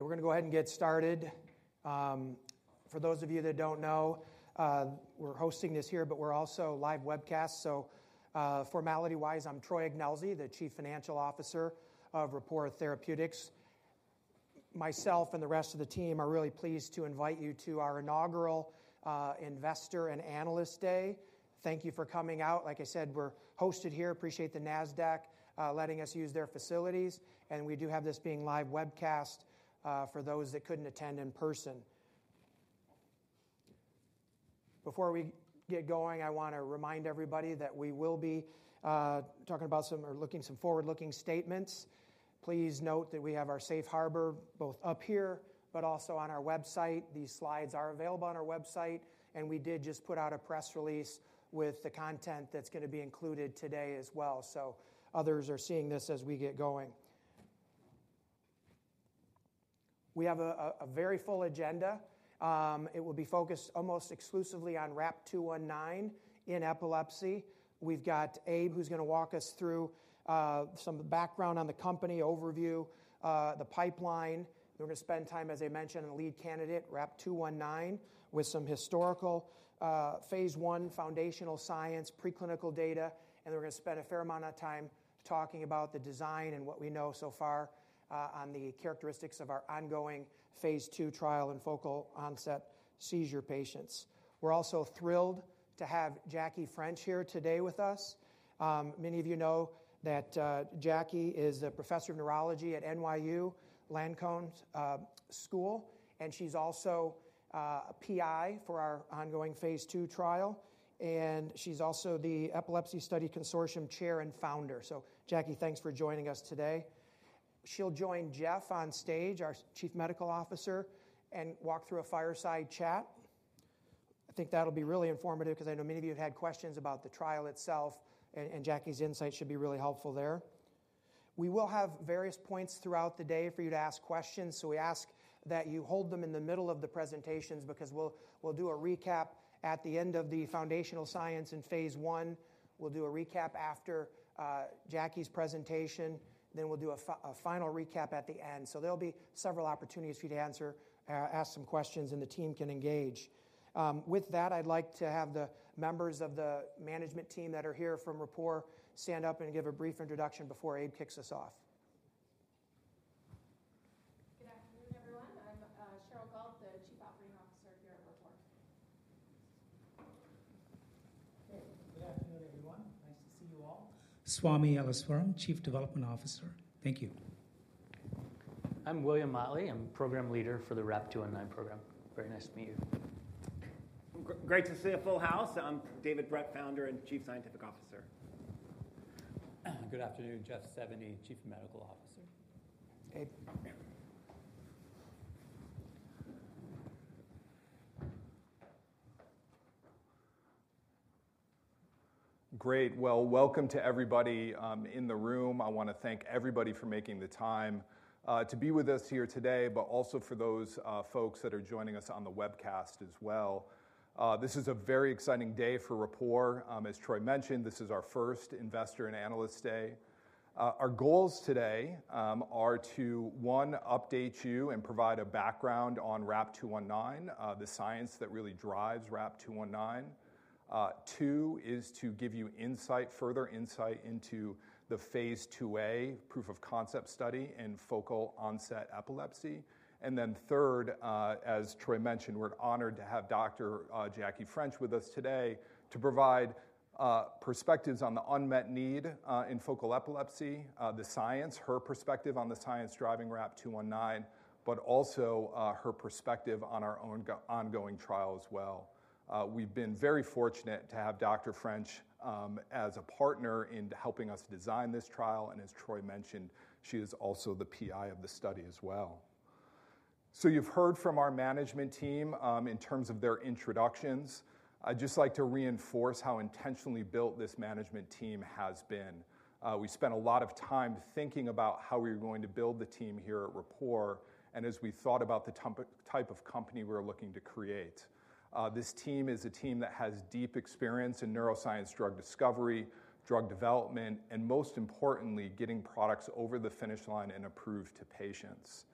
We're going to go ahead and get started. For those of you that do not know, we're hosting this here, but we're also live webcast. Formally, I'm Troy Ignelzi, the Chief Financial Officer of Rapport Therapeutics. Myself and the rest of the team are really pleased to invite you to our inaugural Investor and Analyst Day. Thank you for coming out. Like I said, we're hosted here. Appreciate the NASDAQ letting us use their facilities. We do have this being live webcast for those that could not attend in person. Before we get going, I want to remind everybody that we will be talking about some or looking at some forward-looking statements. Please note that we have our safe harbor both up here, but also on our website. These slides are available on our website. We did just put out a press release with the content that's going to be included today as well. Others are seeing this as we get going. We have a very full agenda. It will be focused almost exclusively on RAP-219 in epilepsy. We've got Abe, who's going to walk us through some background on the company, overview, the pipeline. We're going to spend time, as I mentioned, on the lead candidate, RAP-219, with some historical phase one foundational science, preclinical data. We're going to spend a fair amount of time talking about the design and what we know so far on the characteristics of our ongoing phase two trial in focal onset seizure patients. We're also thrilled to have Jackie French here today with us. Many of you know that Jackie is a professor of neurology at NYU Langone School. She is also a PI for our ongoing phase two trial. She is also the Epilepsy Study Consortium Chair and Founder. Jackie, thanks for joining us today. She will join Jeff on stage, our Chief Medical Officer, and walk through a fireside chat. I think that will be really informative because I know many of you had questions about the trial itself. Jackie's insight should be really helpful there. We will have various points throughout the day for you to ask questions. We ask that you hold them in the middle of the presentations because we will do a recap at the end of the foundational science in phase one. We will do a recap after Jackie's presentation. We will do a final recap at the end. There will be several opportunities for you to ask some questions, and the team can engage. With that, I'd like to have the members of the management team that are here from Rapport stand up and give a brief introduction before Abe kicks us off. Good afternoon, everyone. I'm Cheryl Gault, the Chief Operating Officer here at Rapport. Good afternoon, everyone. Nice to see you all. Swami Yeleswaram, Chief Development Officer. Thank you. I'm William Motley. I'm program leader for the RAP-219 program. Very nice to meet you. Great to see a full house. I'm David Bredt, founder and Chief Scientific Officer. Good afternoon, Jeff Sevigny, Chief Medical Officer. Abe. Great. Welcome to everybody in the room. I want to thank everybody for making the time to be with us here today, but also for those folks that are joining us on the webcast as well. This is a very exciting day for Rapport. As Troy mentioned, this is our first Investor and Analyst Day. Our goals today are to, one, update you and provide a background on RAP-219, the science that really drives RAP-219. Two, is to give you insight, further insight into the phase 2A proof of concept study in focal onset epilepsy. Third, as Troy mentioned, we're honored to have Dr. Jackie French with us today to provide perspectives on the unmet need in focal epilepsy, the science, her perspective on the science driving RAP-219, but also her perspective on our own ongoing trial as well. We've been very fortunate to have Dr. French as a partner in helping us design this trial. As Troy mentioned, she is also the PI of the study as well. You've heard from our management team in terms of their introductions. I'd just like to reinforce how intentionally built this management team has been. We spent a lot of time thinking about how we were going to build the team here at Rapport. As we thought about the type of company we were looking to create, this team is a team that has deep experience in neuroscience, drug discovery, drug development, and most importantly, getting products over the finish line and approved to patients.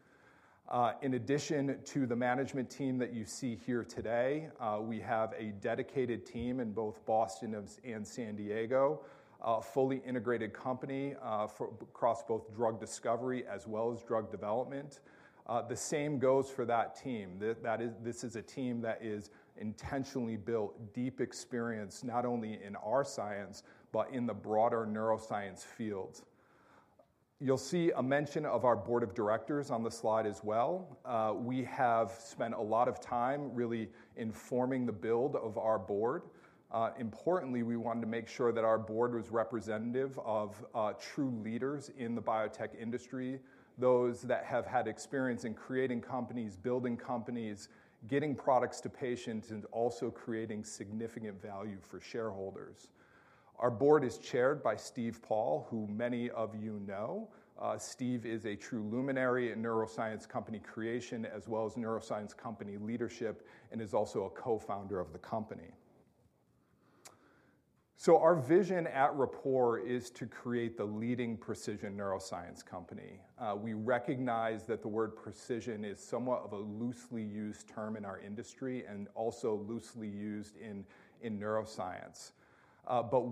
In addition to the management team that you see here today, we have a dedicated team in both Boston and San Diego, a fully integrated company across both drug discovery as well as drug development. The same goes for that team. This is a team that is intentionally built, deep experience, not only in our science, but in the broader neuroscience fields. You'll see a mention of our board of directors on the slide as well. We have spent a lot of time really informing the build of our board. Importantly, we wanted to make sure that our board was representative of true leaders in the biotech industry, those that have had experience in creating companies, building companies, getting products to patients, and also creating significant value for shareholders. Our board is chaired by Steve Paul, who many of you know. Steve is a true luminary in neuroscience company creation as well as neuroscience company leadership and is also a co-founder of the company. Our vision at Rapport is to create the leading precision neuroscience company. We recognize that the word precision is somewhat of a loosely used term in our industry and also loosely used in neuroscience.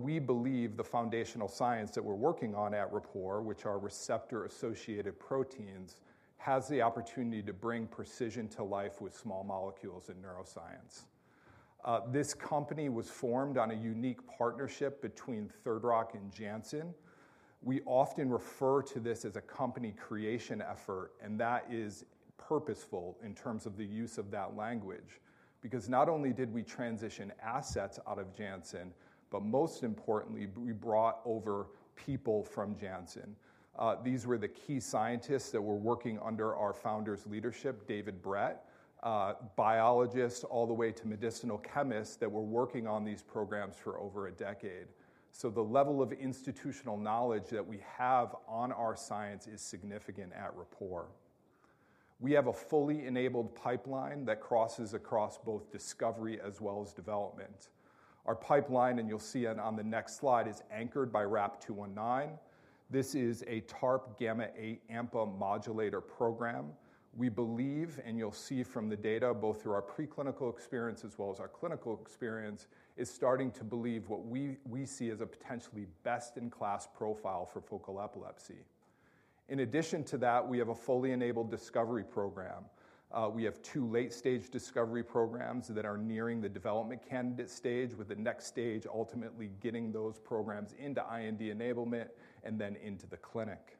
We believe the foundational science that we're working on at Rapport, which are receptor-associated proteins, has the opportunity to bring precision to life with small molecules in neuroscience. This company was formed on a unique partnership between Third Rock and Janssen. We often refer to this as a company creation effort. That is purposeful in terms of the use of that language because not only did we transition assets out of Janssen, but most importantly, we brought over people from Janssen. These were the key scientists that were working under our founder's leadership, David Brett, biologists all the way to medicinal chemists that were working on these programs for over a decade. The level of institutional knowledge that we have on our science is significant at Rapport. We have a fully enabled pipeline that crosses across both discovery as well as development. Our pipeline, and you'll see it on the next slide, is anchored by RAP-219. This is a TARP gamma-8 AMPA modulator program. We believe, and you'll see from the data both through our preclinical experience as well as our clinical experience, is starting to believe what we see as a potentially best-in-class profile for focal epilepsy. In addition to that, we have a fully enabled discovery program. We have two late-stage discovery programs that are nearing the development candidate stage, with the next stage ultimately getting those programs into IND enablement and then into the clinic.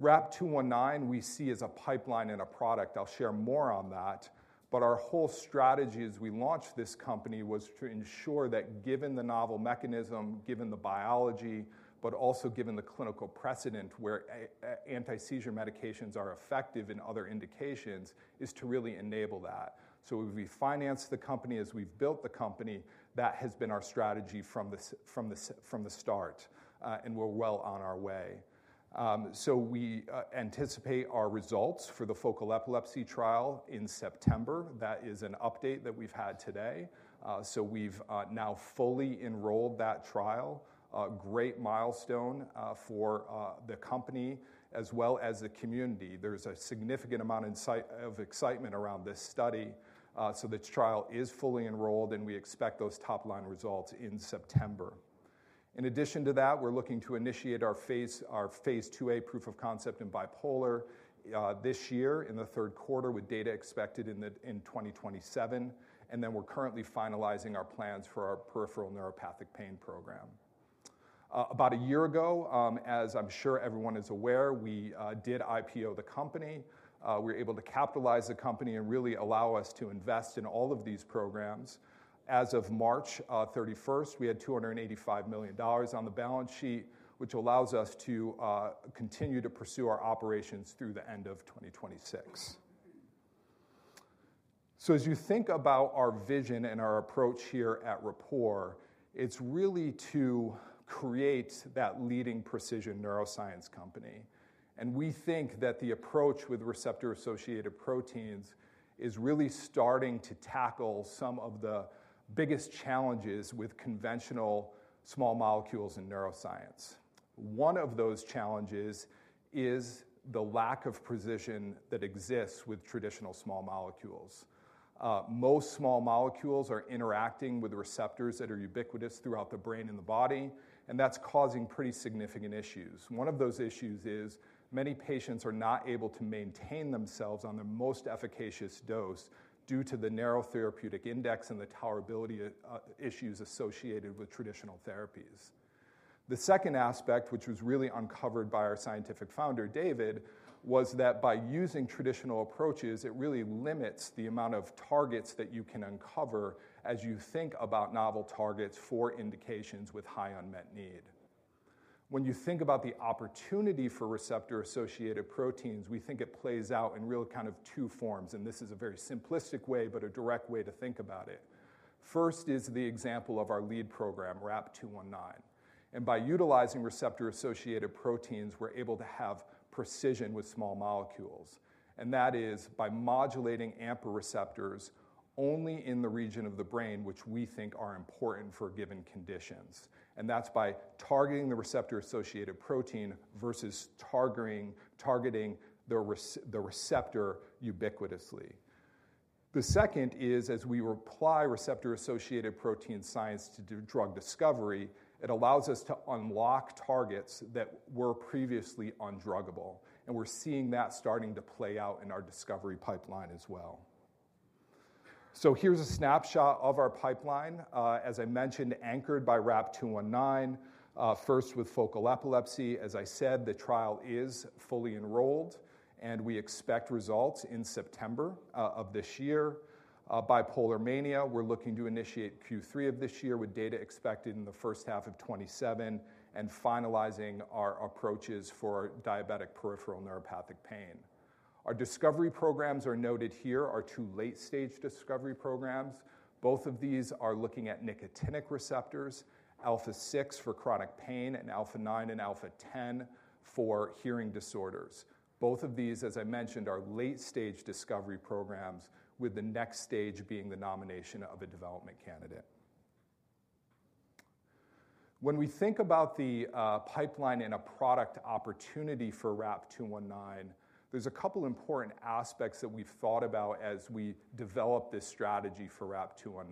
RAP-219, we see as a pipeline and a product. I'll share more on that. Our whole strategy as we launched this company was to ensure that given the novel mechanism, given the biology, but also given the clinical precedent where anti-seizure medications are effective in other indications, is to really enable that. We financed the company as we've built the company. That has been our strategy from the start. We're well on our way. We anticipate our results for the focal epilepsy trial in September. That is an update that we've had today. We've now fully enrolled that trial. Great milestone for the company as well as the community. There's a significant amount of excitement around this study. This trial is fully enrolled. We expect those top-line results in September. In addition to that, we're looking to initiate our phase 2A proof of concept in bipolar this year in the third quarter with data expected in 2027. We're currently finalizing our plans for our peripheral neuropathic pain program. About a year ago, as I'm sure everyone is aware, we did IPO the company. We were able to capitalize the company and really allow us to invest in all of these programs. As of March 31, we had $285 million on the balance sheet, which allows us to continue to pursue our operations through the end of 2026. As you think about our vision and our approach here at Rapport, it's really to create that leading precision neuroscience company. We think that the approach with receptor-associated proteins is really starting to tackle some of the biggest challenges with conventional small molecules in neuroscience. One of those challenges is the lack of precision that exists with traditional small molecules. Most small molecules are interacting with receptors that are ubiquitous throughout the brain and the body. That is causing pretty significant issues. One of those issues is many patients are not able to maintain themselves on their most efficacious dose due to the narrow therapeutic index and the tolerability issues associated with traditional therapies. The second aspect, which was really uncovered by our scientific founder, David, was that by using traditional approaches, it really limits the amount of targets that you can uncover as you think about novel targets for indications with high unmet need. When you think about the opportunity for receptor-associated proteins, we think it plays out in really kind of two forms. This is a very simplistic way, but a direct way to think about it. First is the example of our lead program, RAP-219. By utilizing receptor-associated proteins, we're able to have precision with small molecules. That is by modulating AMPA receptors only in the region of the brain which we think are important for given conditions. That's by targeting the receptor-associated protein versus targeting the receptor ubiquitously. The second is, as we apply receptor-associated protein science to drug discovery, it allows us to unlock targets that were previously undruggable. We're seeing that starting to play out in our discovery pipeline as well. Here is a snapshot of our pipeline. As I mentioned, anchored by RAP-219, first with focal epilepsy. As I said, the trial is fully enrolled. We expect results in September of this year. Bipolar mania, we're looking to initiate Q3 of this year with data expected in the first half of 2027 and finalizing our approaches for diabetic peripheral neuropathic pain. Our discovery programs are noted here are two late-stage discovery programs. Both of these are looking at nicotinic receptors, alpha 6 for chronic pain, and alpha 9 and alpha 10 for hearing disorders. Both of these, as I mentioned, are late-stage discovery programs, with the next stage being the nomination of a development candidate. When we think about the pipeline and a product opportunity for RAP-219, there's a couple of important aspects that we've thought about as we develop this strategy for RAP-219.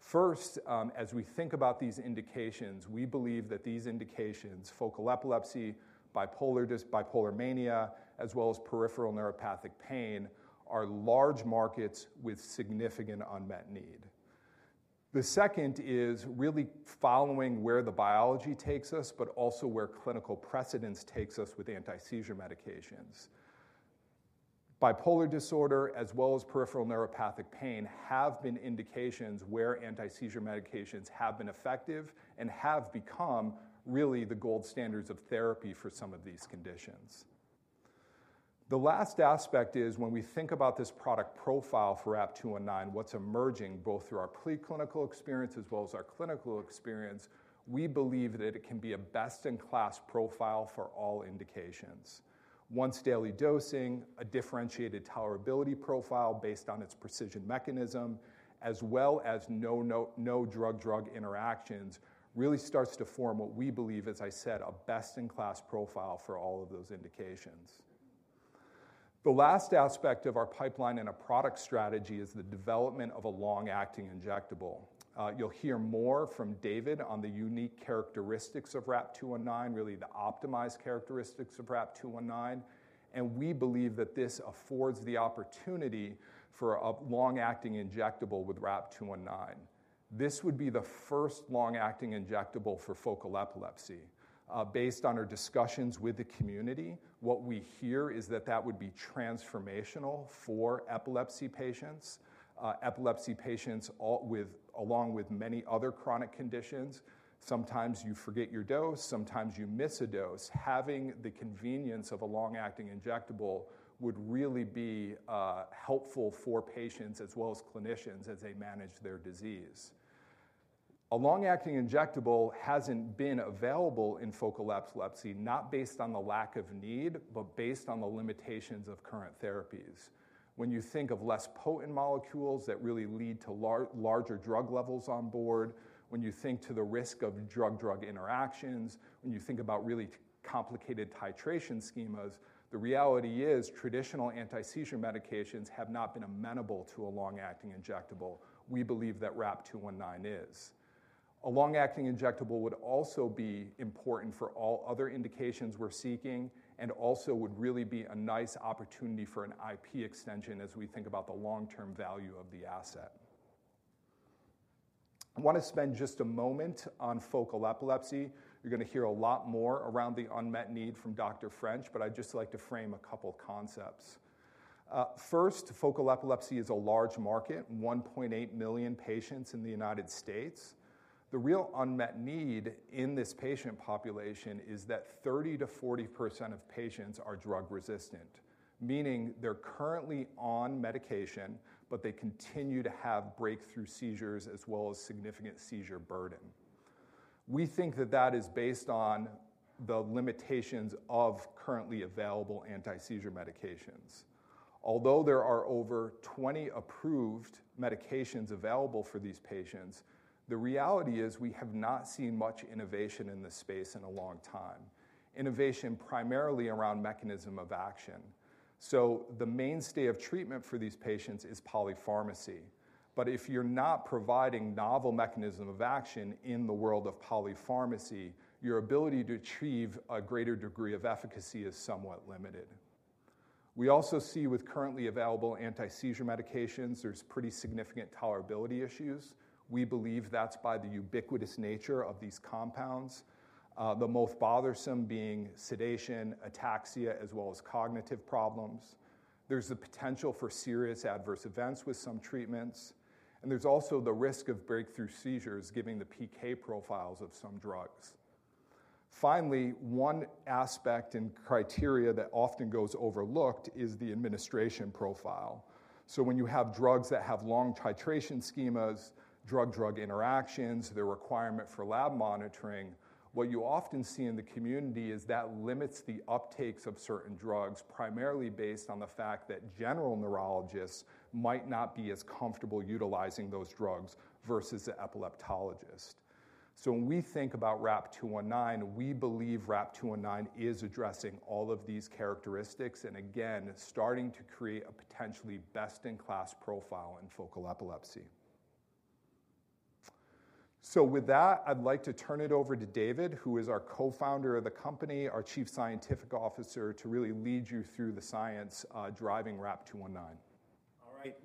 First, as we think about these indications, we believe that these indications, focal epilepsy, bipolar mania, as well as peripheral neuropathic pain, are large markets with significant unmet need. The second is really following where the biology takes us, but also where clinical precedence takes us with anti-seizure medications. Bipolar disorder, as well as peripheral neuropathic pain, have been indications where anti-seizure medications have been effective and have become really the gold standards of therapy for some of these conditions. The last aspect is when we think about this product profile for RAP-219, what's emerging both through our preclinical experience as well as our clinical experience, we believe that it can be a best-in-class profile for all indications. Once daily dosing, a differentiated tolerability profile based on its precision mechanism, as well as no drug-drug interactions, really starts to form what we believe, as I said, a best-in-class profile for all of those indications. The last aspect of our pipeline and a product strategy is the development of a long-acting injectable. You'll hear more from David on the unique characteristics of RAP-219, really the optimized characteristics of RAP-219. We believe that this affords the opportunity for a long-acting injectable with RAP-219. This would be the first long-acting injectable for focal epilepsy. Based on our discussions with the community, what we hear is that that would be transformational for epilepsy patients, epilepsy patients along with many other chronic conditions. Sometimes you forget your dose. Sometimes you miss a dose. Having the convenience of a long-acting injectable would really be helpful for patients as well as clinicians as they manage their disease. A long-acting injectable hasn't been available in focal epilepsy, not based on the lack of need, but based on the limitations of current therapies. When you think of less potent molecules that really lead to larger drug levels on board, when you think to the risk of drug-drug interactions, when you think about really complicated titration schemas, the reality is traditional anti-seizure medications have not been amenable to a long-acting injectable. We believe that RAP-219 is. A long-acting injectable would also be important for all other indications we're seeking and also would really be a nice opportunity for an IP extension as we think about the long-term value of the asset. I want to spend just a moment on focal epilepsy. You're going to hear a lot more around the unmet need from Dr. French, but I'd just like to frame a couple of concepts. First, focal epilepsy is a large market, 1.8 million patients in the United States. The real unmet need in this patient population is that 30%-40% of patients are drug resistant, meaning they're currently on medication, but they continue to have breakthrough seizures as well as significant seizure burden. We think that that is based on the limitations of currently available anti-seizure medications. Although there are over 20 approved medications available for these patients, the reality is we have not seen much innovation in this space in a long time, innovation primarily around mechanism of action. The mainstay of treatment for these patients is polypharmacy. If you're not providing novel mechanism of action in the world of polypharmacy, your ability to achieve a greater degree of efficacy is somewhat limited. We also see with currently available anti-seizure medications, there's pretty significant tolerability issues. We believe that's by the ubiquitous nature of these compounds, the most bothersome being sedation, ataxia, as well as cognitive problems. There's the potential for serious adverse events with some treatments. There's also the risk of breakthrough seizures given the PK profiles of some drugs. Finally, one aspect and criteria that often goes overlooked is the administration profile. When you have drugs that have long titration schemas, drug-drug interactions, the requirement for lab monitoring, what you often see in the community is that limits the uptakes of certain drugs, primarily based on the fact that general neurologists might not be as comfortable utilizing those drugs versus the epileptologist. When we think about RAP-219, we believe RAP-219 is addressing all of these characteristics and, again, starting to create a potentially best-in-class profile in focal epilepsy. With that, I'd like to turn it over to David, who is our co-founder of the company, our Chief Scientific Officer, to really lead you through the science driving RAP-219. All right.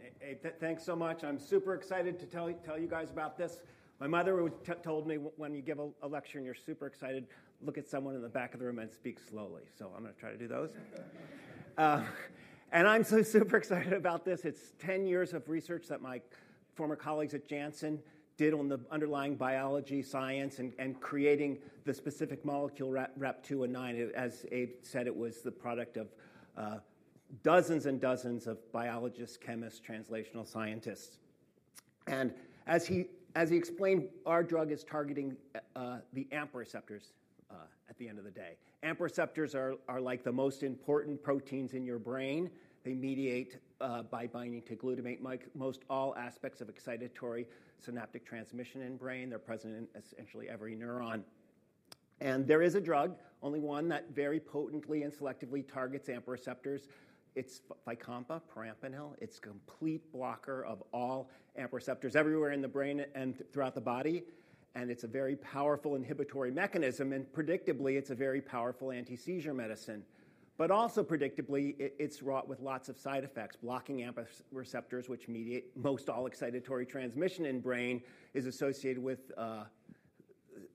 Thanks so much. I'm super excited to tell you guys about this. My mother told me when you give a lecture and you're super excited, look at someone in the back of the room and speak slowly. I'm going to try to do those. I'm so super excited about this. It's 10 years of research that my former colleagues at Janssen did on the underlying biology, science, and creating the specific molecule RAP-219. As Abe said, it was the product of dozens and dozens of biologists, chemists, translational scientists. As he explained, our drug is targeting the AMPA receptors at the end of the day. AMPA receptors are like the most important proteins in your brain. They mediate by binding to glutamate most all aspects of excitatory synaptic transmission in the brain. They're present in essentially every neuron. There is a drug, only one, that very potently and selectively targets AMPA receptors. It's Fycompa, perampanel. It's a complete blocker of all AMPA receptors everywhere in the brain and throughout the body. It's a very powerful inhibitory mechanism. Predictably, it's a very powerful anti-seizure medicine. Also predictably, it's wrought with lots of side effects. Blocking AMPA receptors, which mediate most all excitatory transmission in the brain, is associated with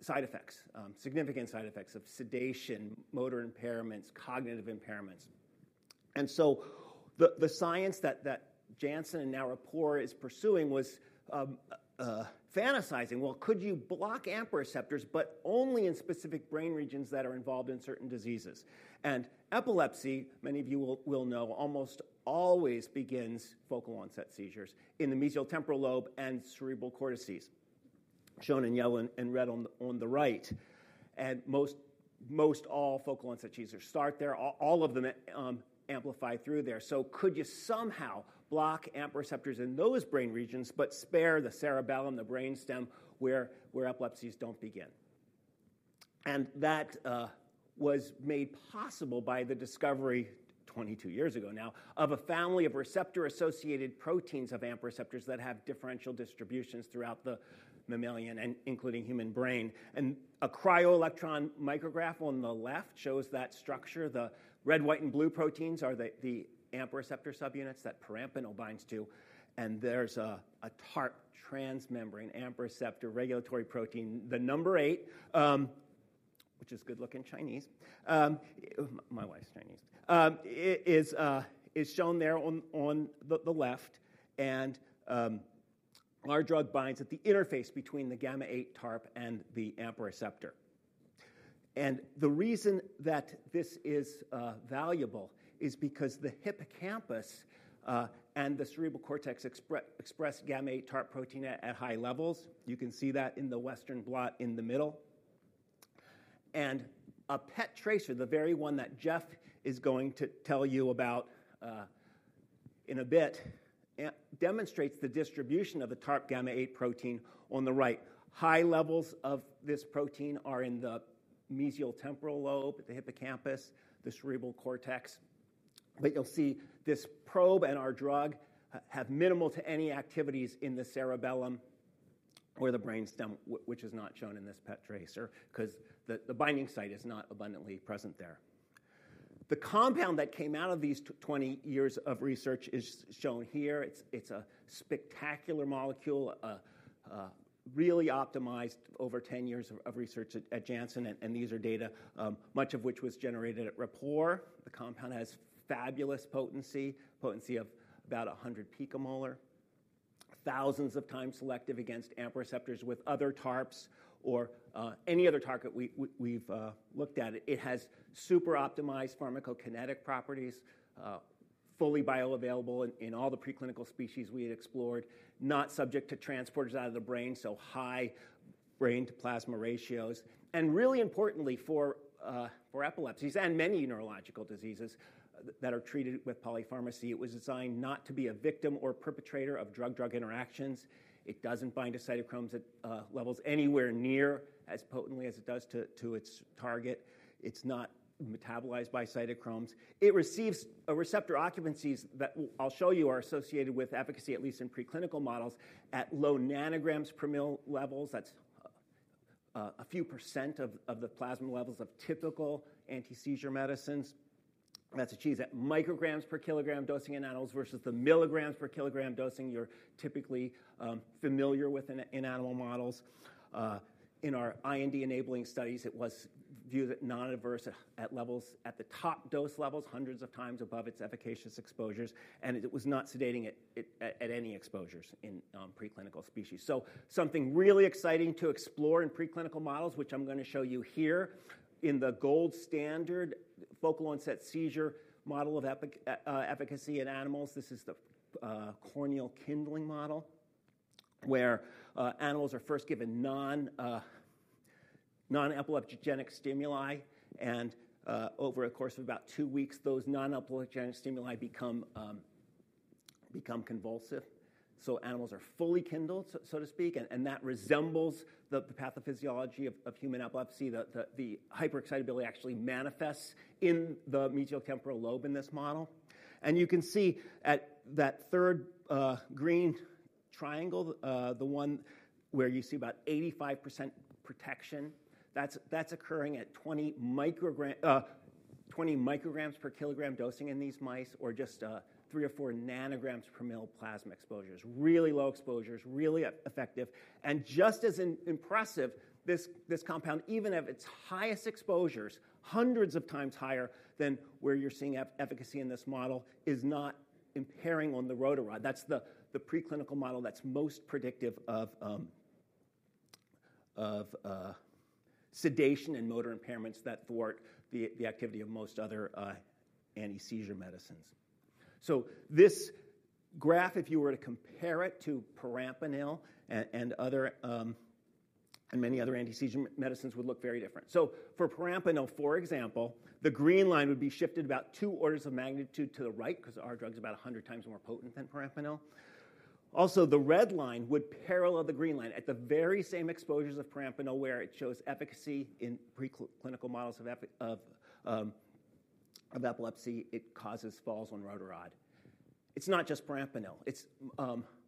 side effects, significant side effects of sedation, motor impairments, cognitive impairments. The science that Janssen and now Rapport is pursuing was fantasizing, well, could you block AMPA receptors, but only in specific brain regions that are involved in certain diseases? Epilepsy, many of you will know, almost always begins focal onset seizures in the mesial temporal lobe and cerebral cortices, shown in yellow and red on the right. Most all focal onset seizures start there. All of them amplify through there. Could you somehow block AMPA receptors in those brain regions, but spare the cerebellum, the brainstem, where epilepsies don't begin? That was made possible by the discovery 22 years ago now of a family of receptor-associated proteins of AMPA receptors that have differential distributions throughout the mammalian, including human, brain. A cryoelectron micrograph on the left shows that structure. The red, white, and blue proteins are the AMPA receptor subunits that perampanel binds to. There is a TARP, transmembrane AMPA receptor regulatory protein, the number eight, which is good-looking Chinese. My wife's Chinese. It is shown there on the left. Our drug binds at the interface between the gamma-8 TARP and the AMPA receptor. The reason that this is valuable is because the hippocampus and the cerebral cortex express gamma-8 TARP protein at high levels. You can see that in the western blot in the middle. A PET tracer, the very one that Jeff is going to tell you about in a bit, demonstrates the distribution of the TARP gamma-8 protein on the right. High levels of this protein are in the mesial temporal lobe, the hippocampus, the cerebral cortex. You will see this probe and our drug have minimal to any activities in the cerebellum or the brainstem, which is not shown in this PET tracer because the binding site is not abundantly present there. The compound that came out of these 20 years of research is shown here. It is a spectacular molecule, really optimized over 10 years of research at Janssen. These are data, much of which was generated at Rapport. The compound has fabulous potency, potency of about 100 picomolar, thousands of times selective against AMPA receptors with other TARPs or any other TARP that we have looked at. It has super optimized pharmacokinetic properties, fully bioavailable in all the preclinical species we had explored, not subject to transporters out of the brain, so high brain-to-plasma ratios. Really importantly for epilepsies and many neurological diseases that are treated with polypharmacy, it was designed not to be a victim or perpetrator of drug-drug interactions. It does not bind to cytochromes at levels anywhere near as potently as it does to its target. It is not metabolized by cytochromes. It receives receptor occupancies that I will show you are associated with efficacy, at least in preclinical models, at low nanograms per mL levels. That is a few percent of the plasma levels of typical anti-seizure medicines. That is achieved at micrograms per kilogram dosing in animals versus the milligrams per kilogram dosing you are typically familiar with in animal models. In our IND enabling studies, it was viewed as non-adverse at levels at the top dose levels, hundreds of times above its efficacious exposures. It was not sedating at any exposures in preclinical species. Something really exciting to explore in preclinical models, which I'm going to show you here in the gold standard focal onset seizure model of efficacy in animals. This is the corneal kindling model where animals are first given non-epileptogenic stimuli. Over a course of about two weeks, those non-epileptogenic stimuli become convulsive. Animals are fully kindled, so to speak. That resembles the pathophysiology of human epilepsy. The hyper-excitability actually manifests in the mesial temporal lobe in this model. You can see at that third green triangle, the one where you see about 85% protection, that is occurring at 20 micrograms per kilogram dosing in these mice or just three or four nanograms per mL plasma exposures, really low exposures, really effective. Just as impressive, this compound, even at its highest exposures, hundreds of times higher than where you are seeing efficacy in this model, is not impairing on the rotor rod. That is the preclinical model that is most predictive of sedation and motor impairments that thwart the activity of most other anti-seizure medicines. This graph, if you were to compare it to perampanel and many other anti-seizure medicines, would look very different. For perampanel, for example, the green line would be shifted about two orders of magnitude to the right because our drug is about 100 times more potent than perampanel. Also, the red line would parallel the green line at the very same exposures of perampanel where it shows efficacy in preclinical models of epilepsy. It causes falls on rotor rod. It's not just perampanel. It's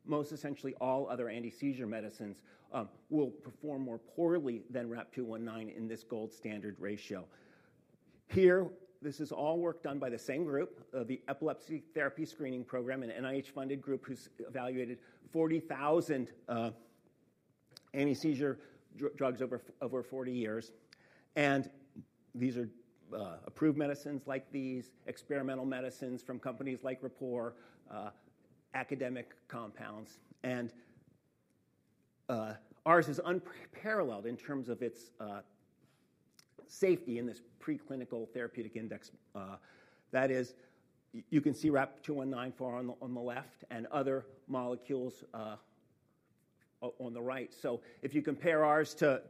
most essentially all other anti-seizure medicines will perform more poorly than RAP-219 in this gold standard ratio. Here, this is all work done by the same group, the Epilepsy Therapy Screening Program, an NIH-funded group who's evaluated 40,000 anti-seizure drugs over 40 years. These are approved medicines like these, experimental medicines from companies like Rapport, academic compounds. Ours is unparalleled in terms of its safety in this preclinical therapeutic index. That is, you can see RAP-219 far on the left and other molecules on the right. If you compare ours to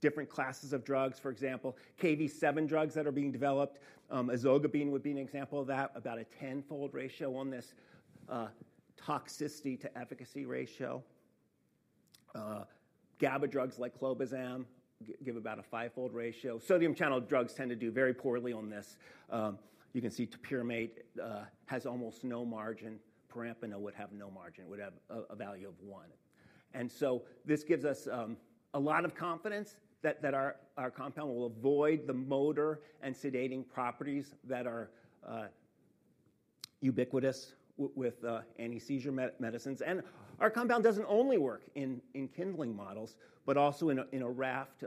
different classes of drugs, for example, KV7 drugs that are being developed, ezogabine would be an example of that, about a tenfold ratio on this toxicity to efficacy ratio. GABA drugs like clobazam give about a fivefold ratio. Sodium channel drugs tend to do very poorly on this. You can see topiramate has almost no margin. Perampanel would have no margin. It would have a value of one. This gives us a lot of confidence that our compound will avoid the motor and sedating properties that are ubiquitous with anti-seizure medicines. Our compound does not only work in kindling models, but also in a raft.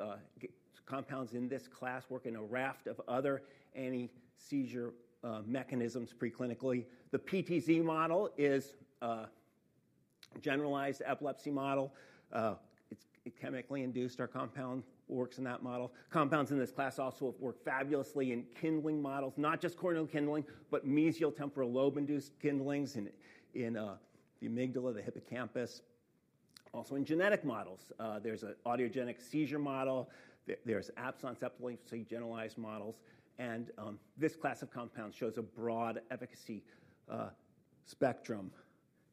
Compounds in this class work in a raft of other anti-seizure mechanisms preclinically. The PTZ model is a generalized epilepsy model. It is chemically induced. Our compound works in that model. Compounds in this class also work fabulously in kindling models, not just corneal kindling, but mesial temporal lobe-induced kindlings in the amygdala, the hippocampus. Also, in genetic models, there's an audiogenic seizure model. There's AMPS on septal link, so generalized models. This class of compounds shows a broad efficacy spectrum.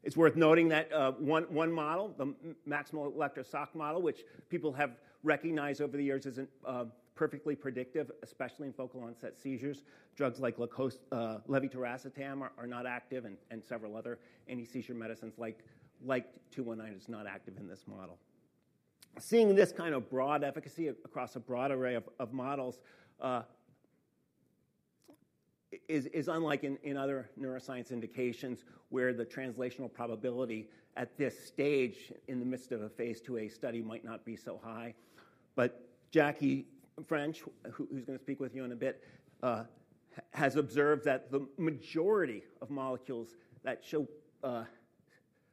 It's worth noting that one model, the maximal electroshock model, which people have recognized over the years as perfectly predictive, especially in focal onset seizures, drugs like levetiracetam are not active, and several other anti-seizure medicines like 219 are not active in this model. Seeing this kind of broad efficacy across a broad array of models is unlike in other neuroscience indications where the translational probability at this stage in the midst of a phase 2A study might not be so high. But Jackie French, who's going to speak with you in a bit, has observed that the majority of molecules that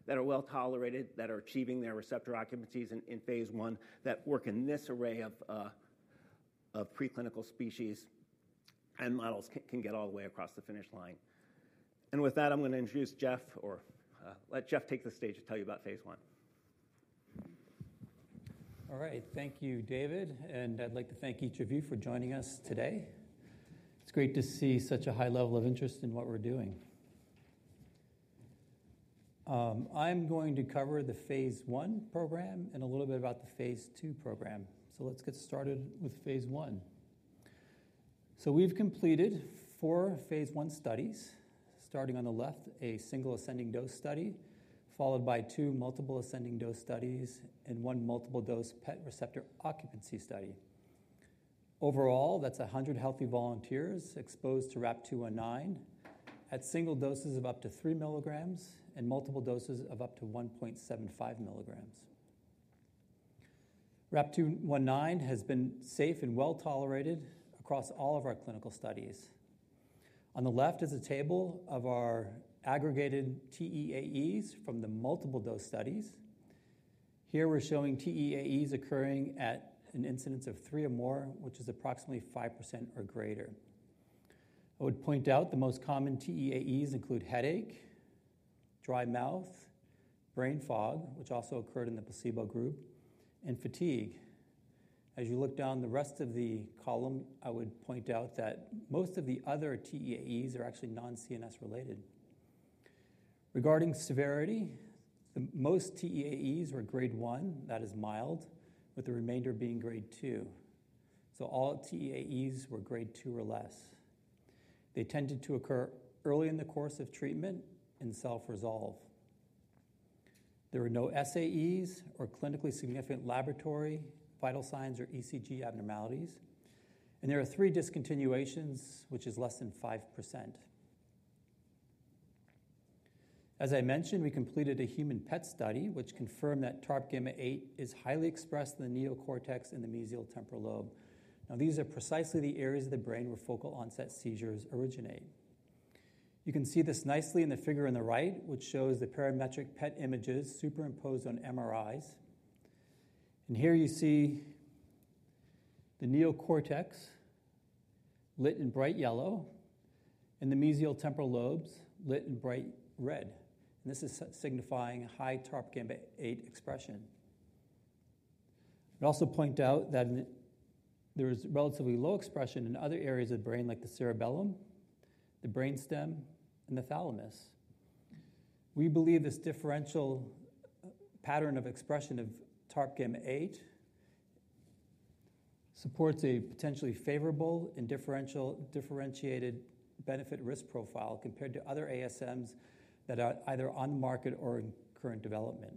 are well tolerated, that are achieving their receptor occupancies in phase one, that work in this array of preclinical species and models can get all the way across the finish line. With that, I'm going to introduce Jeff or let Jeff take the stage to tell you about phase one. All right. Thank you, David. I'd like to thank each of you for joining us today. It's great to see such a high level of interest in what we're doing. I'm going to cover the phase one program and a little bit about the phase two program. Let's get started with phase one. We've completed four phase one studies, starting on the left, a single ascending dose study, followed by two multiple ascending dose studies and one multiple dose PET receptor occupancy study. Overall, that's 100 healthy volunteers exposed to RAP-219 at single doses of up to 3 milligrams and multiple doses of up to 1.75 milligrams. RAP-219 has been safe and well tolerated across all of our clinical studies. On the left is a table of our aggregated TEAEs from the multiple dose studies. Here, we're showing TEAEs occurring at an incidence of three or more, which is approximately 5% or greater. I would point out the most common TEAEs include headache, dry mouth, brain fog, which also occurred in the placebo group, and fatigue. As you look down the rest of the column, I would point out that most of the other TEAEs are actually non-CNS related. Regarding severity, most TEAEs were grade one, that is mild, with the remainder being grade two. All TEAEs were grade two or less. They tended to occur early in the course of treatment and self-resolve. There were no SAEs or clinically significant laboratory vital signs or ECG abnormalities. There are three discontinuations, which is less than 5%. As I mentioned, we completed a human PET study, which confirmed that TARP gamma-8 is highly expressed in the neocortex and the mesial temporal lobe. These are precisely the areas of the brain where focal onset seizures originate. You can see this nicely in the figure on the right, which shows the parametric PET images superimposed on MRIs. Here you see the neocortex lit in bright yellow and the mesial temporal lobes lit in bright red. This is signifying high TARP gamma-8 expression. I'd also point out that there is relatively low expression in other areas of the brain like the cerebellum, the brainstem, and the thalamus. We believe this differential pattern of expression of TARP gamma-8 supports a potentially favorable and differentiated benefit-risk profile compared to other ASMs that are either on the market or in current development.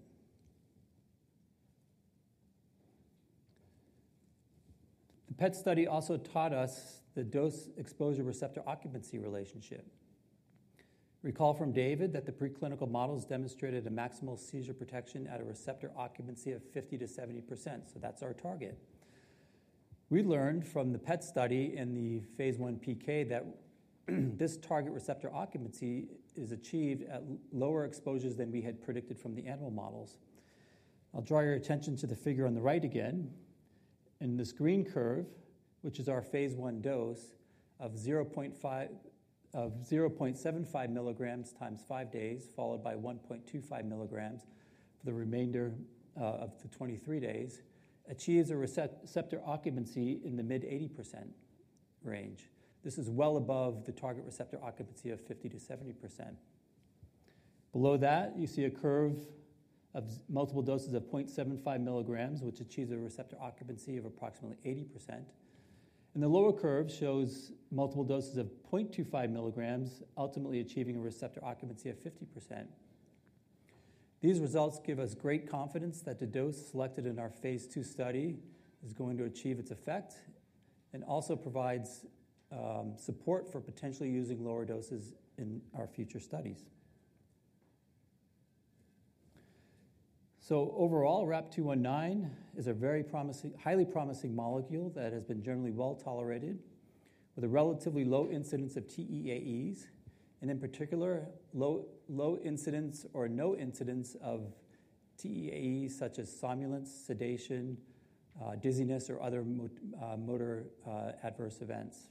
The PET study also taught us the dose-exposure receptor occupancy relationship. Recall from David that the preclinical models demonstrated a maximal seizure protection at a receptor occupancy of 50%-70%. That's our target. We learned from the PET study in the phase one PK that this target receptor occupancy is achieved at lower exposures than we had predicted from the animal models. I'll draw your attention to the figure on the right again. In this green curve, which is our phase one dose of 0.75 milligrams times five days, followed by 1.25 milligrams for the remainder of the 23 days, achieves a receptor occupancy in the mid-80% range. This is well above the target receptor occupancy of 50%-70%. Below that, you see a curve of multiple doses of 0.75 milligrams, which achieves a receptor occupancy of approximately 80%. The lower curve shows multiple doses of 0.25 milligrams, ultimately achieving a receptor occupancy of 50%. These results give us great confidence that the dose selected in our phase two study is going to achieve its effect and also provides support for potentially using lower doses in our future studies. Overall, RAP-219 is a very promising, highly promising molecule that has been generally well tolerated with a relatively low incidence of TEAEs and, in particular, low incidence or no incidence of TEAEs such as somnolence, sedation, dizziness, or other motor adverse events.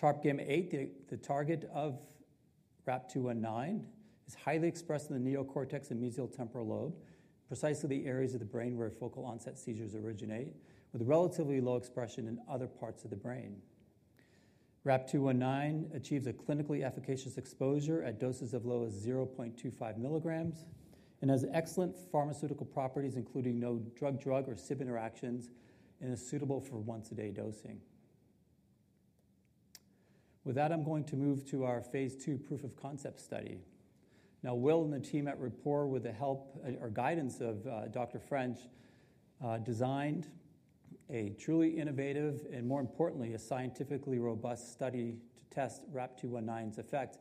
TARP gamma-8, the target of RAP-219, is highly expressed in the neocortex and mesial temporal lobe, precisely the areas of the brain where focal onset seizures originate, with relatively low expression in other parts of the brain. RAP-219 achieves a clinically efficacious exposure at doses as low as 0.25 milligrams and has excellent pharmaceutical properties, including no drug-drug or SIB interactions and is suitable for once-a-day dosing. With that, I'm going to move to our phase two proof of concept study. Now, Will and the team at Rapport, with the help or guidance of Dr. French, designed a truly innovative and, more importantly, a scientifically robust study to test RAP-219's effect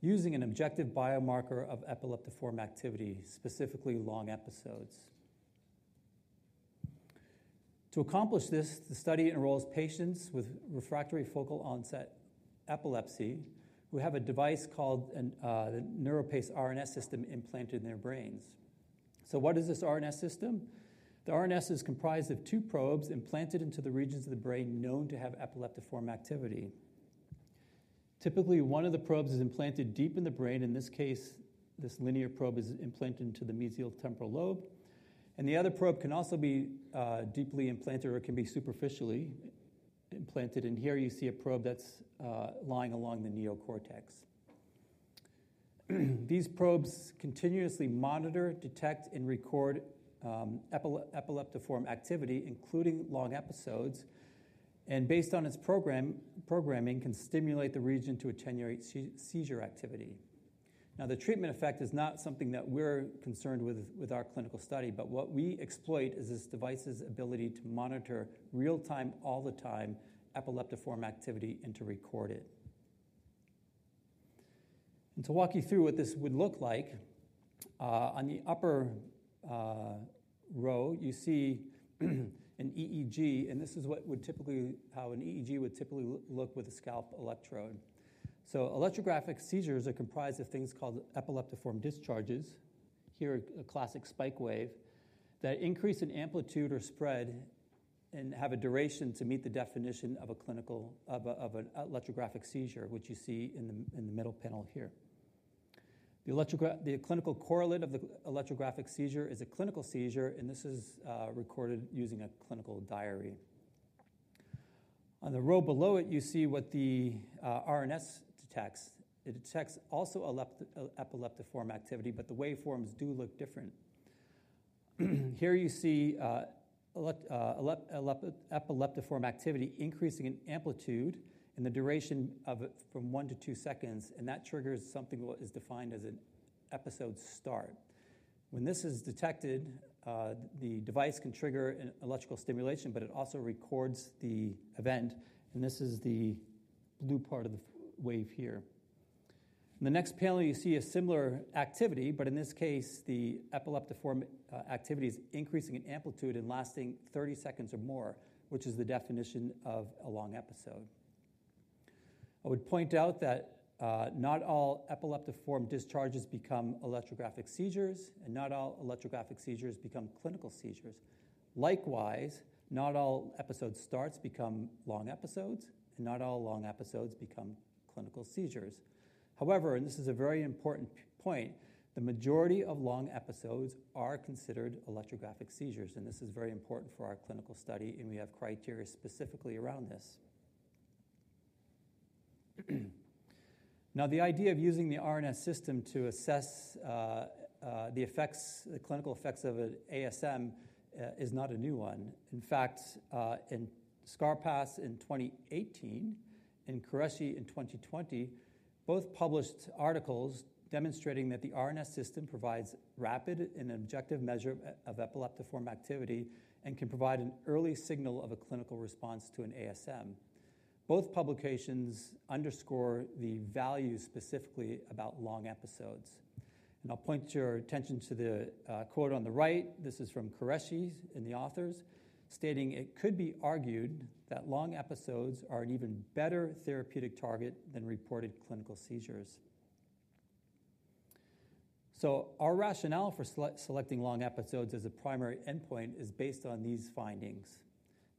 using an objective biomarker of epileptiform activity, specifically long episodes. To accomplish this, the study enrolls patients with refractory focal onset epilepsy who have a device called the NeuroPace RNS system implanted in their brains. What is this RNS system? The RNS is comprised of two probes implanted into the regions of the brain known to have epileptiform activity. Typically, one of the probes is implanted deep in the brain. In this case, this linear probe is implanted into the mesial temporal lobe. The other probe can also be deeply implanted or can be superficially implanted. Here, you see a probe that is lying along the neocortex. These probes continuously monitor, detect, and record epileptiform activity, including long episodes. Based on its programming, can stimulate the region to attenuate seizure activity. Now, the treatment effect is not something that we're concerned with with our clinical study, but what we exploit is this device's ability to monitor real-time, all the time, epileptiform activity and to record it. To walk you through what this would look like, on the upper row, you see an EEG. This is what would typically, how an EEG would typically look with a scalp electrode. Electrographic seizures are comprised of things called epileptiform discharges. Here, a classic spike wave that increase in amplitude or spread and have a duration to meet the definition of a clinical, of an electrographic seizure, which you see in the middle panel here. The clinical correlate of the electrographic seizure is a clinical seizure, and this is recorded using a clinical diary. On the row below it, you see what the RNS detects. It detects also epileptiform activity, but the waveforms do look different. Here, you see epileptiform activity increasing in amplitude and the duration of it from one to two seconds. That triggers something that is defined as an episode start. When this is detected, the device can trigger an electrical stimulation, but it also records the event. This is the blue part of the wave here. In the next panel, you see a similar activity, but in this case, the epileptiform activity is increasing in amplitude and lasting 30 seconds or more, which is the definition of a long episode. I would point out that not all epileptiform discharges become electrographic seizures, and not all electrographic seizures become clinical seizures. Likewise, not all episode starts become long episodes, and not all long episodes become clinical seizures. However, and this is a very important point, the majority of long episodes are considered electrographic seizures. This is very important for our clinical study, and we have criteria specifically around this. Now, the idea of using the RNS system to assess the effects, the clinical effects of an ASM is not a new one. In fact, in ScarPass in 2018 and Qureshi in 2020, both published articles demonstrating that the RNS system provides rapid and objective measure of epileptiform activity and can provide an early signal of a clinical response to an ASM. Both publications underscore the value specifically about long episodes. I'll point your attention to the quote on the right. This is from Qureshi, the authors, stating, "It could be argued that long episodes are an even better therapeutic target than reported clinical seizures." Our rationale for selecting long episodes as a primary endpoint is based on these findings.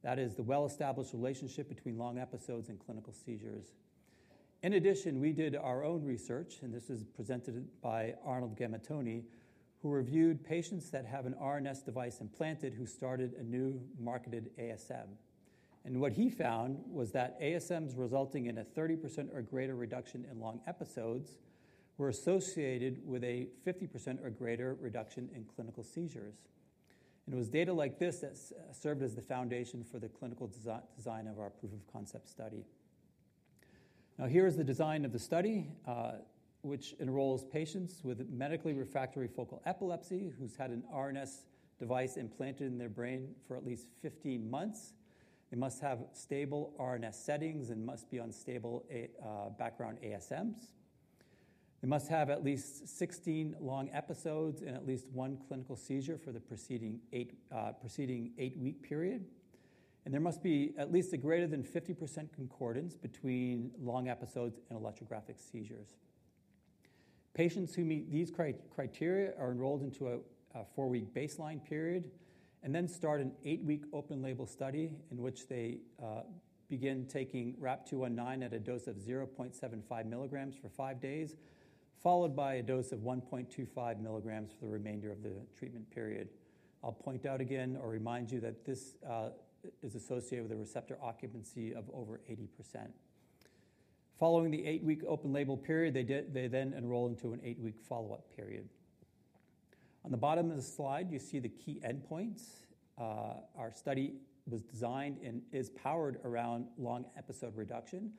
That is the well-established relationship between long episodes and clinical seizures. In addition, we did our own research, and this is presented by Arnold Gametoni, who reviewed patients that have an RNS device implanted who started a new marketed ASM. What he found was that ASMs resulting in a 30% or greater reduction in long episodes were associated with a 50% or greater reduction in clinical seizures. It was data like this that served as the foundation for the clinical design of our proof of concept study. Now, here is the design of the study, which enrolls patients with medically refractory focal epilepsy who've had an RNS device implanted in their brain for at least 15 months. They must have stable RNS settings and must be on stable background ASMs. They must have at least 16 long episodes and at least one clinical seizure for the preceding eight-week period. There must be at least a greater than 50% concordance between long episodes and electrographic seizures. Patients who meet these criteria are enrolled into a four-week baseline period and then start an eight-week open-label study in which they begin taking RAP-219 at a dose of 0.75 milligrams for five days, followed by a dose of 1.25 milligrams for the remainder of the treatment period. I'll point out again or remind you that this is associated with a receptor occupancy of over 80%. Following the eight-week open-label period, they then enroll into an eight-week follow-up period. On the bottom of the slide, you see the key endpoints. Our study was designed and is powered around long episode reduction.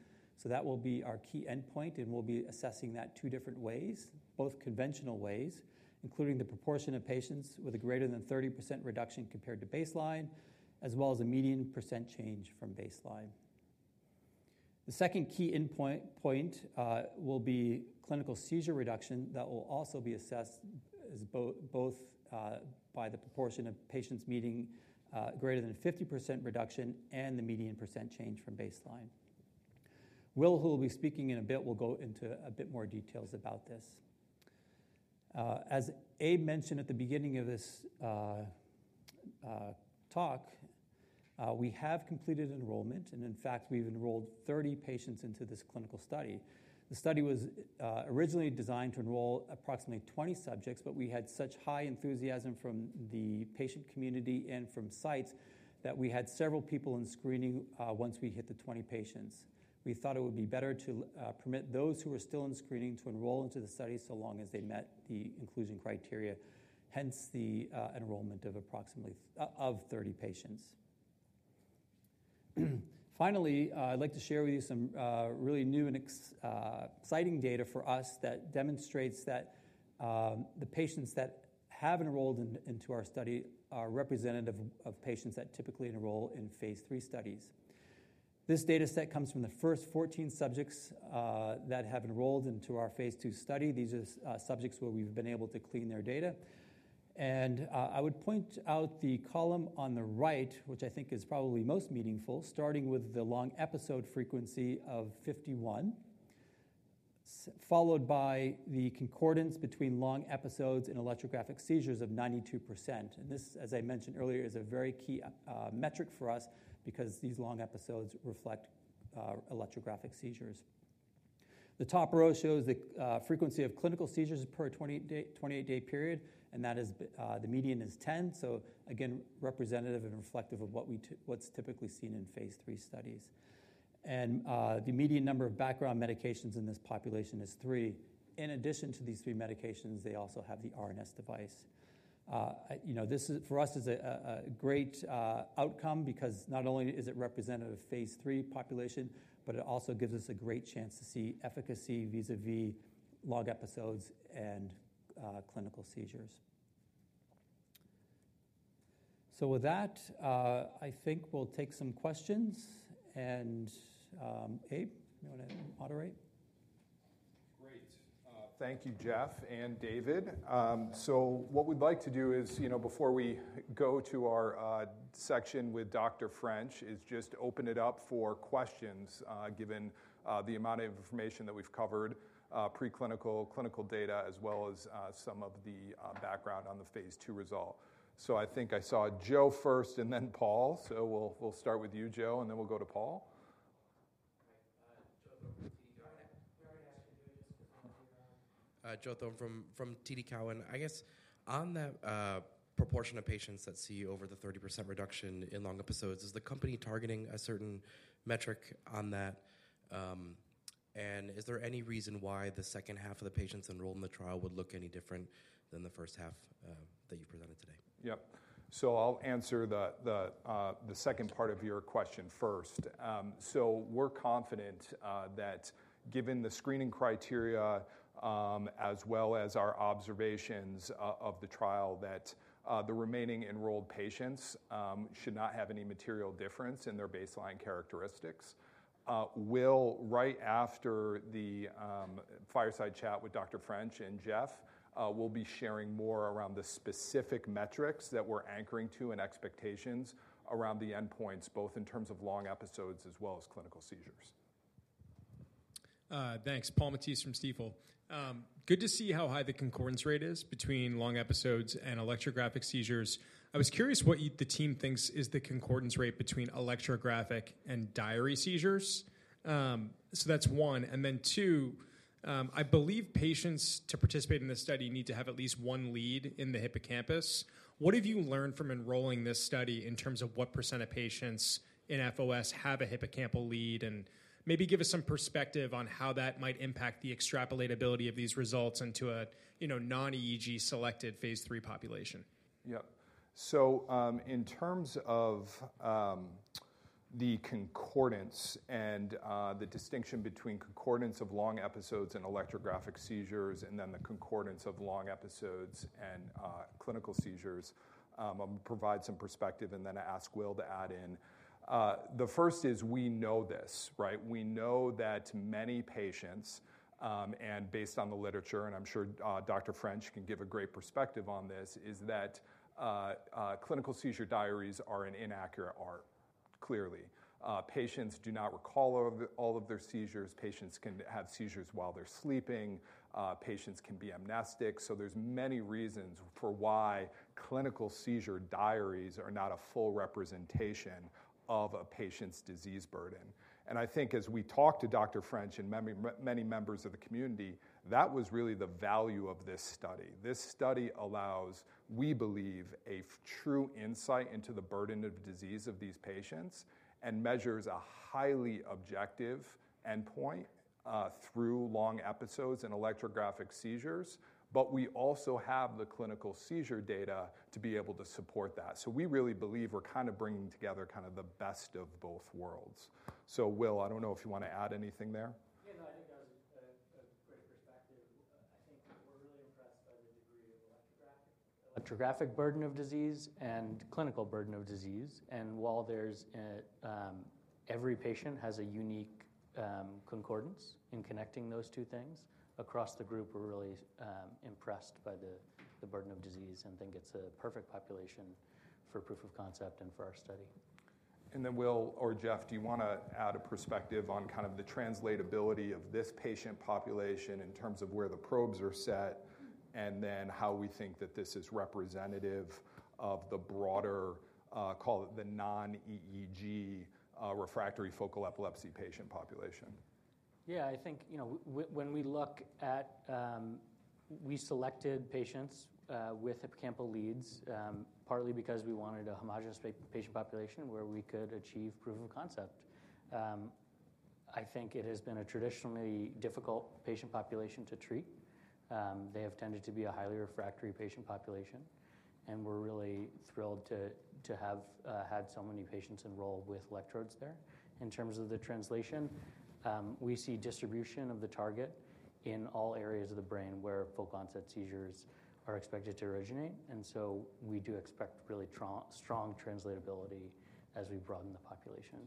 That will be our key endpoint, and we'll be assessing that two different ways, both conventional ways, including the proportion of patients with a greater than 30% reduction compared to baseline, as well as a median percent change from baseline. The second key endpoint will be clinical seizure reduction that will also be assessed as both by the proportion of patients meeting greater than 50% reduction and the median percent change from baseline. Will, who will be speaking in a bit, will go into a bit more details about this. As Abe mentioned at the beginning of this talk, we have completed enrollment. In fact, we've enrolled 30 patients into this clinical study. The study was originally designed to enroll approximately 20 subjects, but we had such high enthusiasm from the patient community and from sites that we had several people in screening once we hit the 20 patients. We thought it would be better to permit those who were still in screening to enroll into the study so long as they met the inclusion criteria. Hence, the enrollment of approximately 30 patients. Finally, I'd like to share with you some really new and exciting data for us that demonstrates that the patients that have enrolled into our study are representative of patients that typically enroll in phase three studies. This dataset comes from the first 14 subjects that have enrolled into our phase two study. These are subjects where we've been able to clean their data. I would point out the column on the right, which I think is probably most meaningful, starting with the long episode frequency of 51, followed by the concordance between long episodes and electrographic seizures of 92%. This, as I mentioned earlier, is a very key metric for us because these long episodes reflect electrographic seizures. The top row shows the frequency of clinical seizures per 28-day period, and that is the median is 10. Again, representative and reflective of what is typically seen in phase three studies. The median number of background medications in this population is three. In addition to these three medications, they also have the RNS device. This is, for us, a great outcome because not only is it representative of phase three population, but it also gives us a great chance to see efficacy vis-à-vis long episodes and clinical seizures. With that, I think we'll take some questions. Abe, do you want to moderate? Great. Thank you, Jeff and David. What we'd like to do is, before we go to our section with Dr. French, just open it up for questions given the amount of information that we've covered, preclinical, clinical data, as well as some of the background on the phase two result. I think I saw Joe first and then Paul. We'll start with you, Joe, and then we'll go to Paul. Hi, Joe from TD Cowen. Joe Thorne from TD Cowen. I guess on that proportion of patients that see over the 30% reduction in long episodes, is the company targeting a certain metric on that? Is there any reason why the second half of the patients enrolled in the trial would look any different than the first half that you presented today? Yep. I'll answer the second part of your question first. We're confident that given the screening criteria, as well as our observations of the trial, the remaining enrolled patients should not have any material difference in their baseline characteristics. Will, right after the fireside chat with Dr. French and Jeff, will be sharing more around the specific metrics that we're anchoring to and expectations around the endpoints, both in terms of long episodes as well as clinical seizures. Thanks. Paul Matisse from Stifel. Good to see how high the concordance rate is between long episodes and electrographic seizures. I was curious what the team thinks is the concordance rate between electrographic and diary seizures. That is one. Two, I believe patients to participate in this study need to have at least one lead in the hippocampus. What have you learned from enrolling this study in terms of what % of patients in FOS have a hippocampal lead? Maybe give us some perspective on how that might impact the extrapolatability of these results into a non-EEG selected phase three population. Yep. In terms of the concordance and the distinction between concordance of long episodes and electrographic seizures, and then the concordance of long episodes and clinical seizures, I'll provide some perspective and then ask Will to add in. The first is we know this, right? We know that many patients, and based on the literature, and I'm sure Dr. French can give a great perspective on this, is that clinical seizure diaries are an inaccurate art, clearly. Patients do not recall all of their seizures. Patients can have seizures while they're sleeping. Patients can be amnestic. There are many reasons for why clinical seizure diaries are not a full representation of a patient's disease burden. I think as we talked to Dr. French and many members of the community, that was really the value of this study. This study allows, we believe, a true insight into the burden of disease of these patients and measures a highly objective endpoint through long episodes and electrographic seizures. We also have the clinical seizure data to be able to support that. We really believe we're kind of bringing together kind of the best of both worlds. Will, I don't know if you want to add anything there. Yeah, no, I think that was a great perspective. I think we're really impressed by the degree of electrographic burden of disease and clinical burden of disease. While every patient has a unique concordance in connecting those two things, across the group, we're really impressed by the burden of disease and think it's a perfect population for proof of concept and for our study. Will or Jeff, do you want to add a perspective on kind of the translatability of this patient population in terms of where the probes are set and then how we think that this is representative of the broader, call it the non-EEG refractory focal epilepsy patient population? Yeah, I think when we look at we selected patients with hippocampal leads partly because we wanted a homogenous patient population where we could achieve proof of concept. I think it has been a traditionally difficult patient population to treat. They have tended to be a highly refractory patient population. And we're really thrilled to have had so many patients enroll with electrodes there. In terms of the translation, we see distribution of the target in all areas of the brain where focal onset seizures are expected to originate. We do expect really strong translatability as we broaden the population.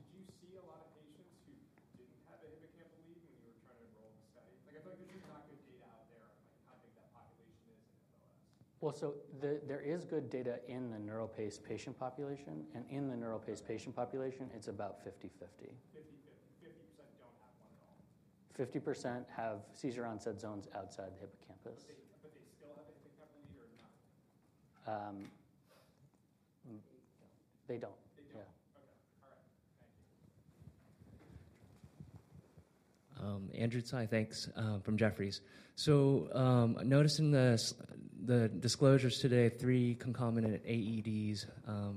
Did you see a lot of patients who didn't have a hippocampal lead when you were trying to enroll in the study? Like, I feel like there's just not good data out there on how big that population is in FOS. There is good data in the NeuroPace patient population. And in the NeuroPace patient population, it's about 50/50. 50/50. 50% do not have one at all. 50% have seizure onset zones outside the hippocampus. They still have a hippocampal lead or not? They don't. They don't. Yeah. Okay. All right. Thank you. Andrew Tsai, thanks from Jefferies. Noticing the disclosures today, three concomitant AEDs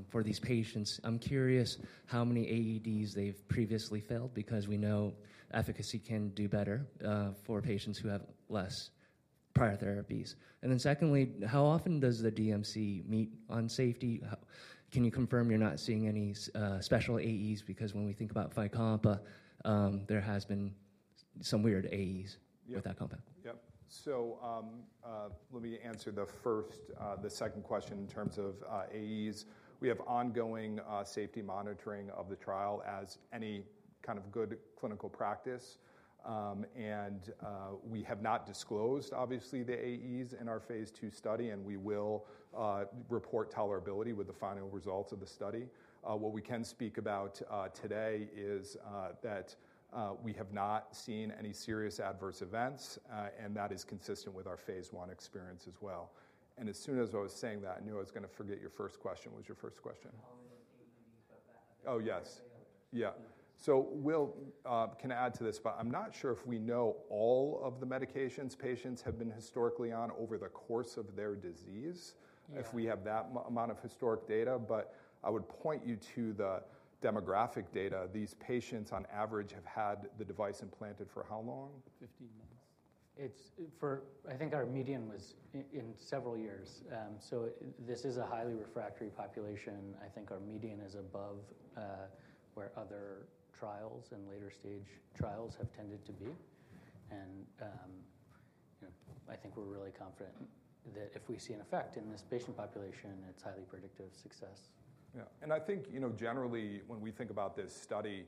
for these patients. I'm curious how many AEDs they've previously failed because we know efficacy can do better for patients who have less prior therapies. Secondly, how often does the DMC meet on safety? Can you confirm you're not seeing any special AEs? Because when we think about Fycompa, there have been some weird AEs with that compound. Yep. Let me answer the second question in terms of AEs. We have ongoing safety monitoring of the trial as any kind of good clinical practice. We have not disclosed, obviously, the AEs in our phase two study. We will report tolerability with the final results of the study. What we can speak about today is that we have not seen any serious adverse events. That is consistent with our phase one experience as well. As soon as I was saying that, I knew I was going to forget your first question. What was your first question? All the AEDs of that. Oh, yes. Yeah. So, Will, can I add to this? I'm not sure if we know all of the medications patients have been historically on over the course of their disease, if we have that amount of historic data. I would point you to the demographic data. These patients, on average, have had the device implanted for how long? Fifteen months. I think our median was in several years. This is a highly refractory population. I think our median is above where other trials and later stage trials have tended to be. I think we're really confident that if we see an effect in this patient population, it's highly predictive success. Yeah. I think generally, when we think about this study,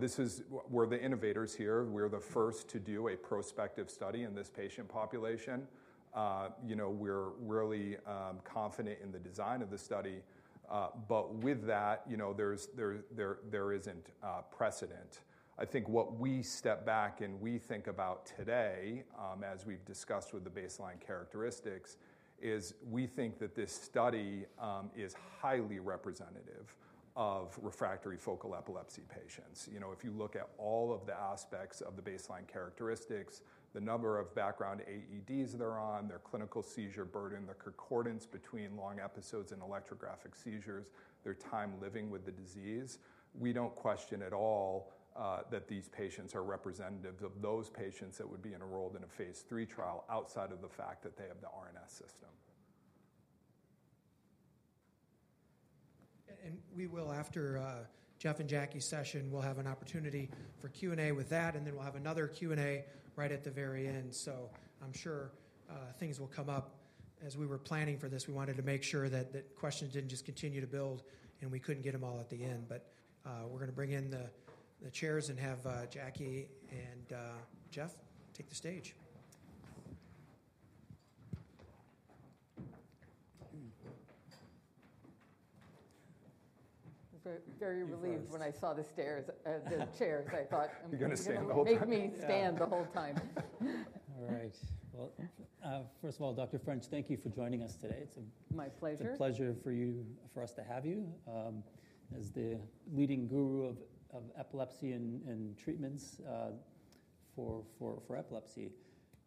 this is where the innovators here. We're the first to do a prospective study in this patient population. We're really confident in the design of the study. With that, there isn't precedent. I think what we step back and we think about today, as we've discussed with the baseline characteristics, is we think that this study is highly representative of refractory focal epilepsy patients. If you look at all of the aspects of the baseline characteristics, the number of background AEDs they're on, their clinical seizure burden, the concordance between long episodes and electrographic seizures, their time living with the disease, we don't question at all that these patients are representatives of those patients that would be enrolled in a phase three trial outside of the fact that they have the RNS system. We will, after Jeff and Jackie's session, have an opportunity for Q&A with that. We will have another Q&A right at the very end. I am sure things will come up. As we were planning for this, we wanted to make sure that questions did not just continue to build and we could not get them all at the end. We are going to bring in the chairs and have Jackie and Jeff take the stage. Very relieved when I saw the chairs. I thought. You're going to stand the whole time. Make me stand the whole time. All right. First of all, Dr. French, thank you for joining us today. It's a. My pleasure. It's a pleasure for us to have you as the leading guru of epilepsy and treatments for epilepsy.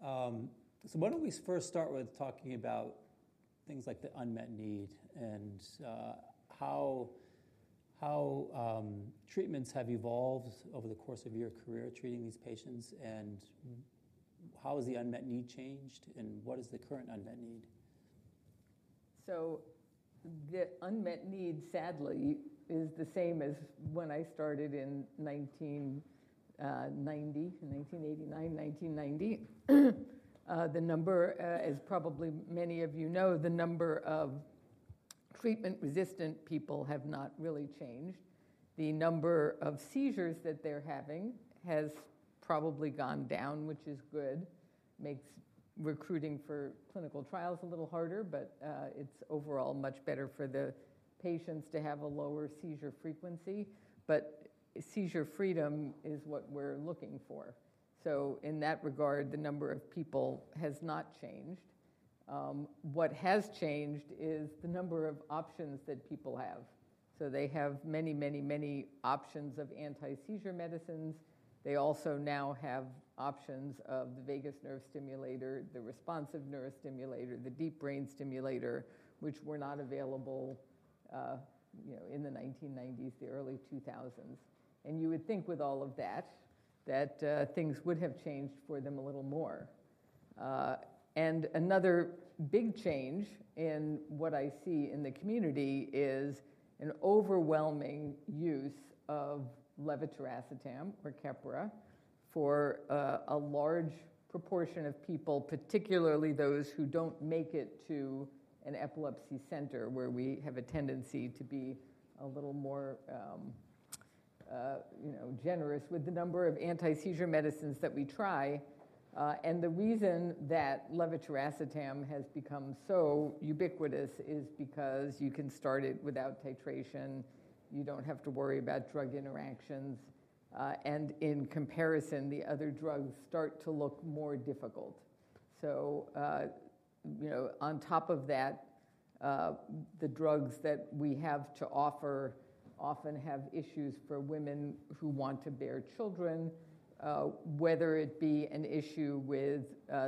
Why don't we first start with talking about things like the unmet need and how treatments have evolved over the course of your career treating these patients? How has the unmet need changed? What is the current unmet need? The unmet need, sadly, is the same as when I started in 1989, 1990. The number, as probably many of you know, the number of treatment-resistant people have not really changed. The number of seizures that they're having has probably gone down, which is good. It makes recruiting for clinical trials a little harder. It is overall much better for the patients to have a lower seizure frequency. Seizure freedom is what we're looking for. In that regard, the number of people has not changed. What has changed is the number of options that people have. They have many, many, many options of anti-seizure medicines. They also now have options of the vagus nerve stimulator, the responsive neurostimulator, the deep brain stimulator, which were not available in the 1990s, the early 2000s. You would think with all of that that things would have changed for them a little more. Another big change in what I see in the community is an overwhelming use of levetiracetam or Keppra for a large proportion of people, particularly those who do not make it to an epilepsy center where we have a tendency to be a little more generous with the number of anti-seizure medicines that we try. The reason that levetiracetam has become so ubiquitous is because you can start it without titration. You do not have to worry about drug interactions. In comparison, the other drugs start to look more difficult. On top of that, the drugs that we have to offer often have issues for women who want to bear children, whether it be an issue with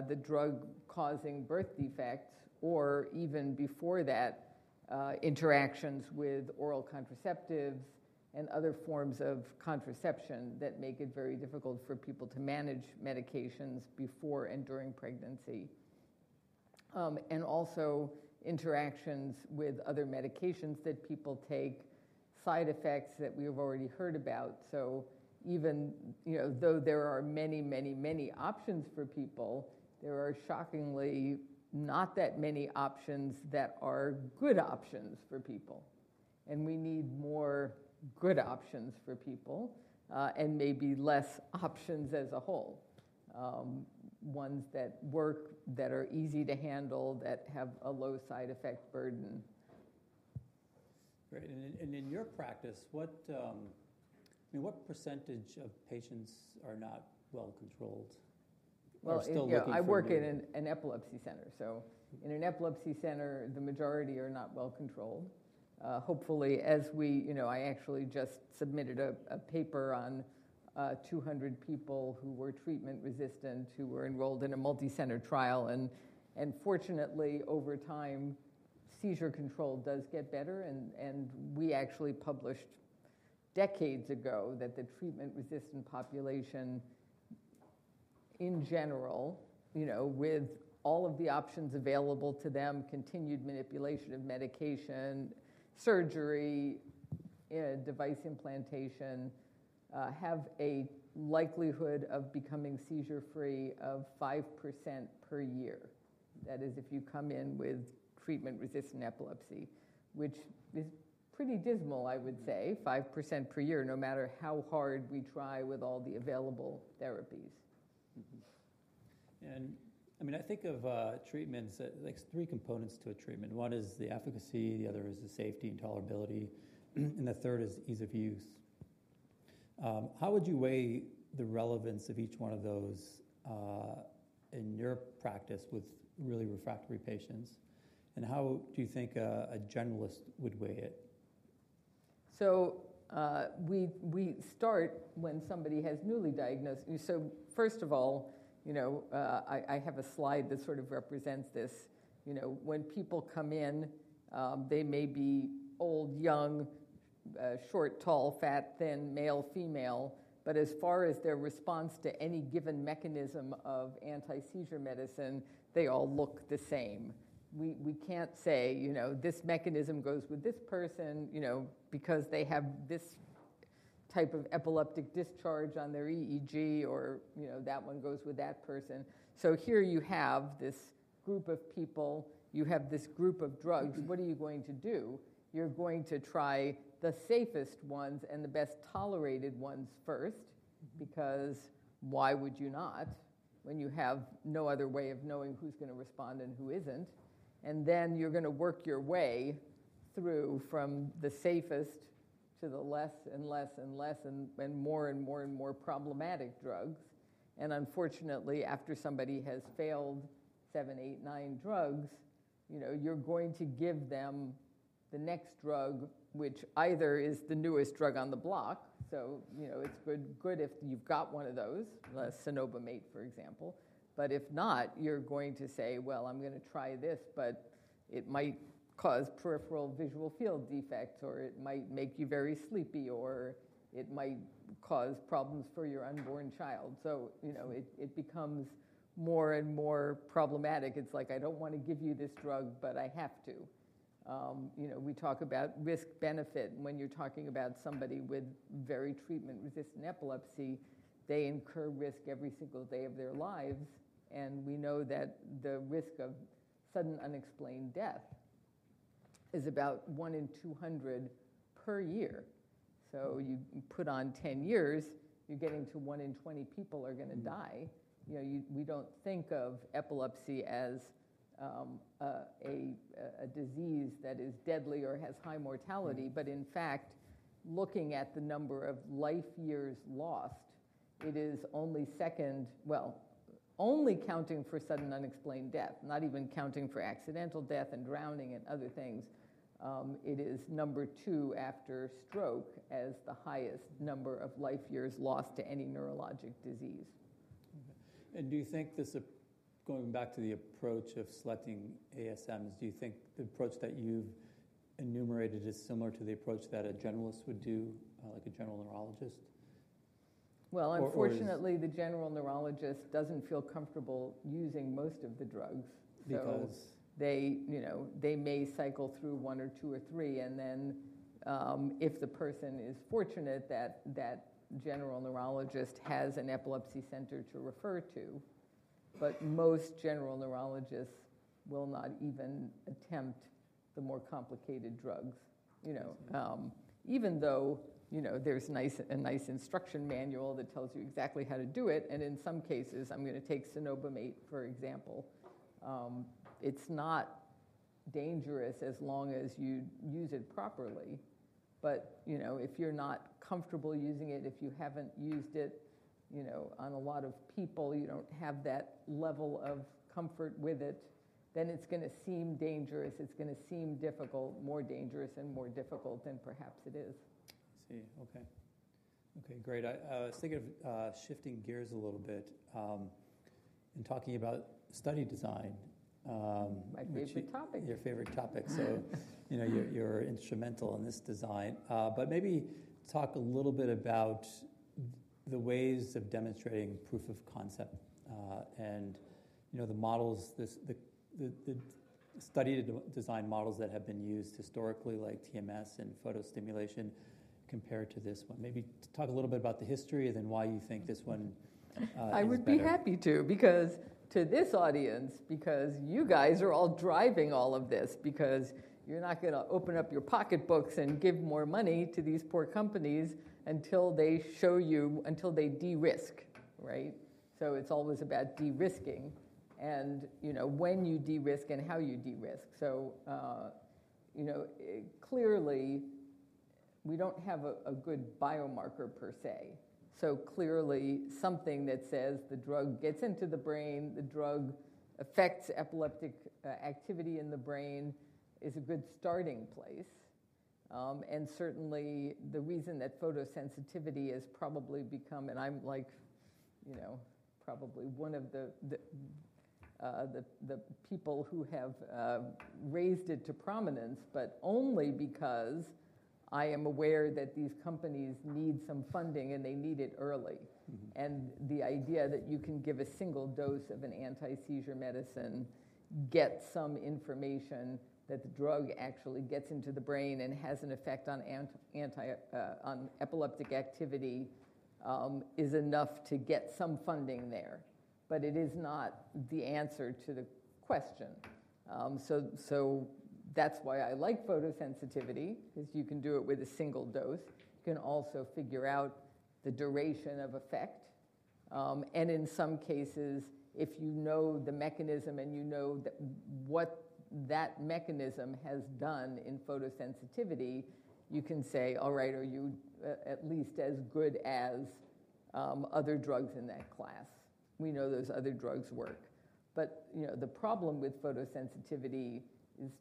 the drug causing birth defects or even before that, interactions with oral contraceptives and other forms of contraception that make it very difficult for people to manage medications before and during pregnancy. Also, interactions with other medications that people take, side effects that we have already heard about. Even though there are many, many, many options for people, there are shockingly not that many options that are good options for people. We need more good options for people and maybe less options as a whole, ones that work, that are easy to handle, that have a low side effect burden. Great. In your practice, what percentage of patients are not well controlled? Or still looking for treatment? I work in an epilepsy center. In an epilepsy center, the majority are not well controlled. Hopefully, as we I actually just submitted a paper on 200 people who were treatment-resistant who were enrolled in a multi-center trial. Fortunately, over time, seizure control does get better. We actually published decades ago that the treatment-resistant population in general, with all of the options available to them, continued manipulation of medication, surgery, device implantation, have a likelihood of becoming seizure-free of 5% per year. That is, if you come in with treatment-resistant epilepsy, which is pretty dismal, I would say, 5% per year, no matter how hard we try with all the available therapies. I mean, I think of treatments that there's three components to a treatment. One is the efficacy. The other is the safety and tolerability. And the third is ease of use. How would you weigh the relevance of each one of those in your practice with really refractory patients? And how do you think a generalist would weigh it? We start when somebody has newly diagnosed. First of all, I have a slide that sort of represents this. When people come in, they may be old, young, short, tall, fat, thin, male, female. As far as their response to any given mechanism of anti-seizure medicine, they all look the same. We can't say, this mechanism goes with this person because they have this type of epileptic discharge on their EEG or that one goes with that person. Here you have this group of people. You have this group of drugs. What are you going to do? You're going to try the safest ones and the best tolerated ones first because why would you not when you have no other way of knowing who's going to respond and who isn't? You are going to work your way through from the safest to the less and less and less and more and more and more problematic drugs. Unfortunately, after somebody has failed seven, eight, nine drugs, you are going to give them the next drug, which either is the newest drug on the block. It is good if you have got one of those, like Cenobamate, for example. If not, you are going to say, I am going to try this. It might cause peripheral visual field defects, or it might make you very sleepy, or it might cause problems for your unborn child. It becomes more and more problematic. It is like, I do not want to give you this drug, but I have to. We talk about risk-benefit. When you are talking about somebody with very treatment-resistant epilepsy, they incur risk every single day of their lives. We know that the risk of sudden unexplained death is about 1 in 200 per year. You put on 10 years, you're getting to 1 in 20 people are going to die. We don't think of epilepsy as a disease that is deadly or has high mortality. In fact, looking at the number of life years lost, it is only second, only counting for sudden unexplained death, not even counting for accidental death and drowning and other things. It is number two after stroke as the highest number of life years lost to any neurologic disease. Do you think this, going back to the approach of selecting ASMs, do you think the approach that you've enumerated is similar to the approach that a generalist would do, like a general neurologist? Unfortunately, the general neurologist doesn't feel comfortable using most of the drugs because they may cycle through one or two or three. If the person is fortunate, that general neurologist has an epilepsy center to refer to. Most general neurologists will not even attempt the more complicated drugs. Even though there's a nice instruction manual that tells you exactly how to do it. In some cases, I'm going to take Cenobamate, for example. It's not dangerous as long as you use it properly. If you're not comfortable using it, if you haven't used it on a lot of people, you don't have that level of comfort with it, then it's going to seem dangerous. It's going to seem difficult, more dangerous and more difficult than perhaps it is. I see. Okay. Okay, great. I was thinking of shifting gears a little bit and talking about study design. My favorite topic. Your favorite topic. You're instrumental in this design. Maybe talk a little bit about the ways of demonstrating proof of concept and the models, the study design models that have been used historically, like TMS and photostimulation compared to this one. Maybe talk a little bit about the history and then why you think this one is important. I would be happy to because to this audience, because you guys are all driving all of this because you're not going to open up your pocketbooks and give more money to these poor companies until they show you, until they de-risk, right? It's always about de-risking and when you de-risk and how you de-risk. Clearly, we don't have a good biomarker per se. Clearly, something that says the drug gets into the brain, the drug affects epileptic activity in the brain is a good starting place. Certainly, the reason that photosensitivity has probably become, and I'm like probably one of the people who have raised it to prominence, but only because I am aware that these companies need some funding and they need it early. The idea that you can give a single dose of an anti-seizure medicine, get some information that the drug actually gets into the brain and has an effect on epileptic activity is enough to get some funding there. It is not the answer to the question. That is why I like photosensitivity because you can do it with a single dose. You can also figure out the duration of effect. In some cases, if you know the mechanism and you know what that mechanism has done in photosensitivity, you can say, all right, are you at least as good as other drugs in that class? We know those other drugs work. The problem with photosensitivity is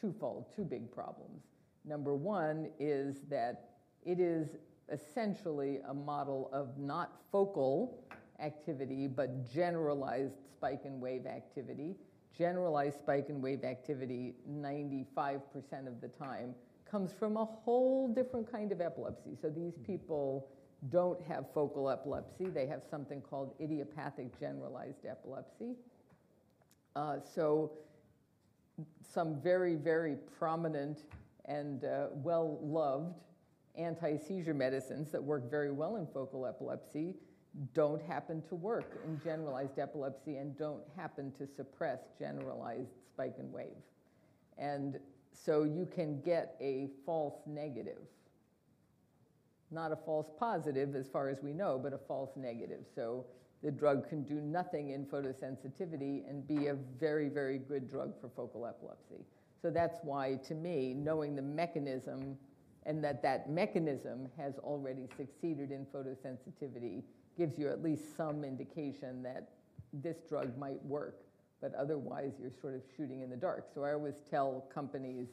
twofold, two big problems. Number one is that it is essentially a model of not focal activity, but generalized spike and wave activity. Generalized spike and wave activity, 95% of the time, comes from a whole different kind of epilepsy. These people do not have focal epilepsy. They have something called idiopathic generalized epilepsy. Some very, very prominent and well-loved anti-seizure medicines that work very well in focal epilepsy do not happen to work in generalized epilepsy and do not happen to suppress generalized spike and wave. You can get a false negative, not a false positive as far as we know, but a false negative. The drug can do nothing in photosensitivity and be a very, very good drug for focal epilepsy. That is why to me, knowing the mechanism and that that mechanism has already succeeded in photosensitivity gives you at least some indication that this drug might work. Otherwise, you are sort of shooting in the dark. I always tell companies,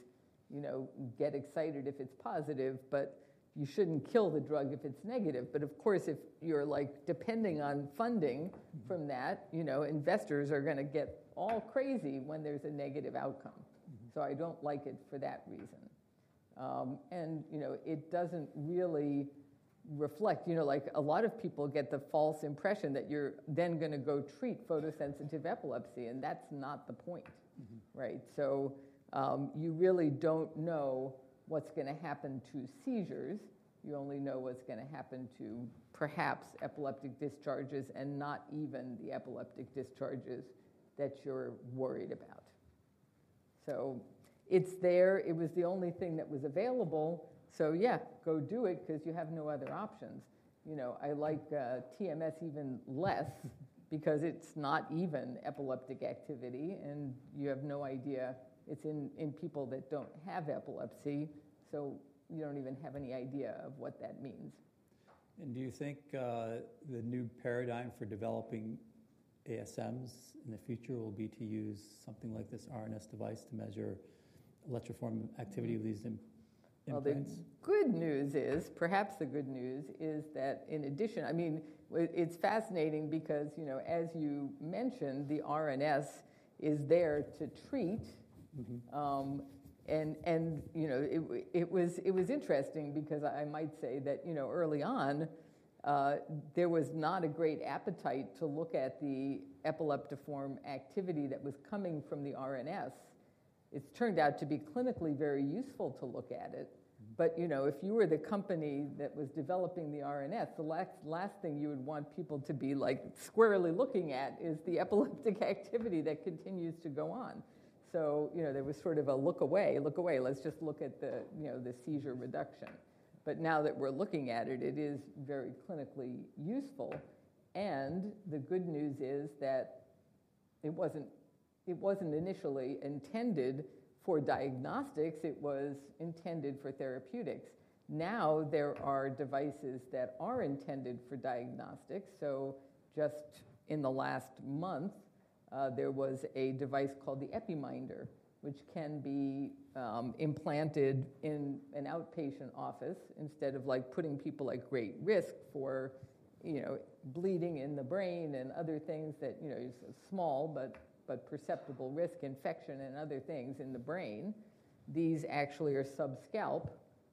get excited if it's positive, but you shouldn't kill the drug if it's negative. Of course, if you're depending on funding from that, investors are going to get all crazy when there's a negative outcome. I don't like it for that reason. It doesn't really reflect, like a lot of people get the false impression that you're then going to go treat photosensitive epilepsy. That's not the point, right? You really don't know what's going to happen to seizures. You only know what's going to happen to perhaps epileptic discharges and not even the epileptic discharges that you're worried about. It's there. It was the only thing that was available. Yeah, go do it because you have no other options. I like TMS even less because it's not even epileptic activity. You have no idea. It's in people that don't have epilepsy. You don't even have any idea of what that means. Do you think the new paradigm for developing ASMs in the future will be to use something like this RNS device to measure electrographic activity of these implants? The good news is, perhaps the good news is that in addition, I mean, it's fascinating because as you mentioned, the RNS is there to treat. It was interesting because I might say that early on, there was not a great appetite to look at the epileptiform activity that was coming from the RNS. It's turned out to be clinically very useful to look at it. If you were the company that was developing the RNS, the last thing you would want people to be like squarely looking at is the epileptic activity that continues to go on. There was sort of a look away, look away, let's just look at the seizure reduction. Now that we're looking at it, it is very clinically useful. The good news is that it wasn't initially intended for diagnostics. It was intended for therapeutics. Now, there are devices that are intended for diagnostics. Just in the last month, there was a device called the Epiminder, which can be implanted in an outpatient office instead of putting people at great risk for bleeding in the brain and other things. That is a small but perceptible risk, infection and other things in the brain. These actually are subscalp.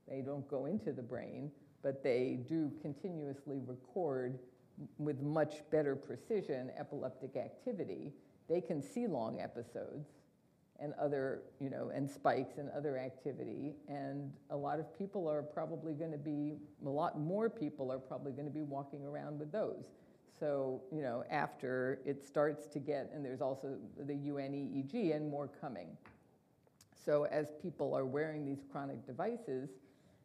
They do not go into the brain, but they do continuously record with much better precision epileptic activity. They can see long episodes and spikes and other activity. A lot more people are probably going to be walking around with those. After it starts to get, and there is also the UNEEG and more coming. As people are wearing these chronic devices,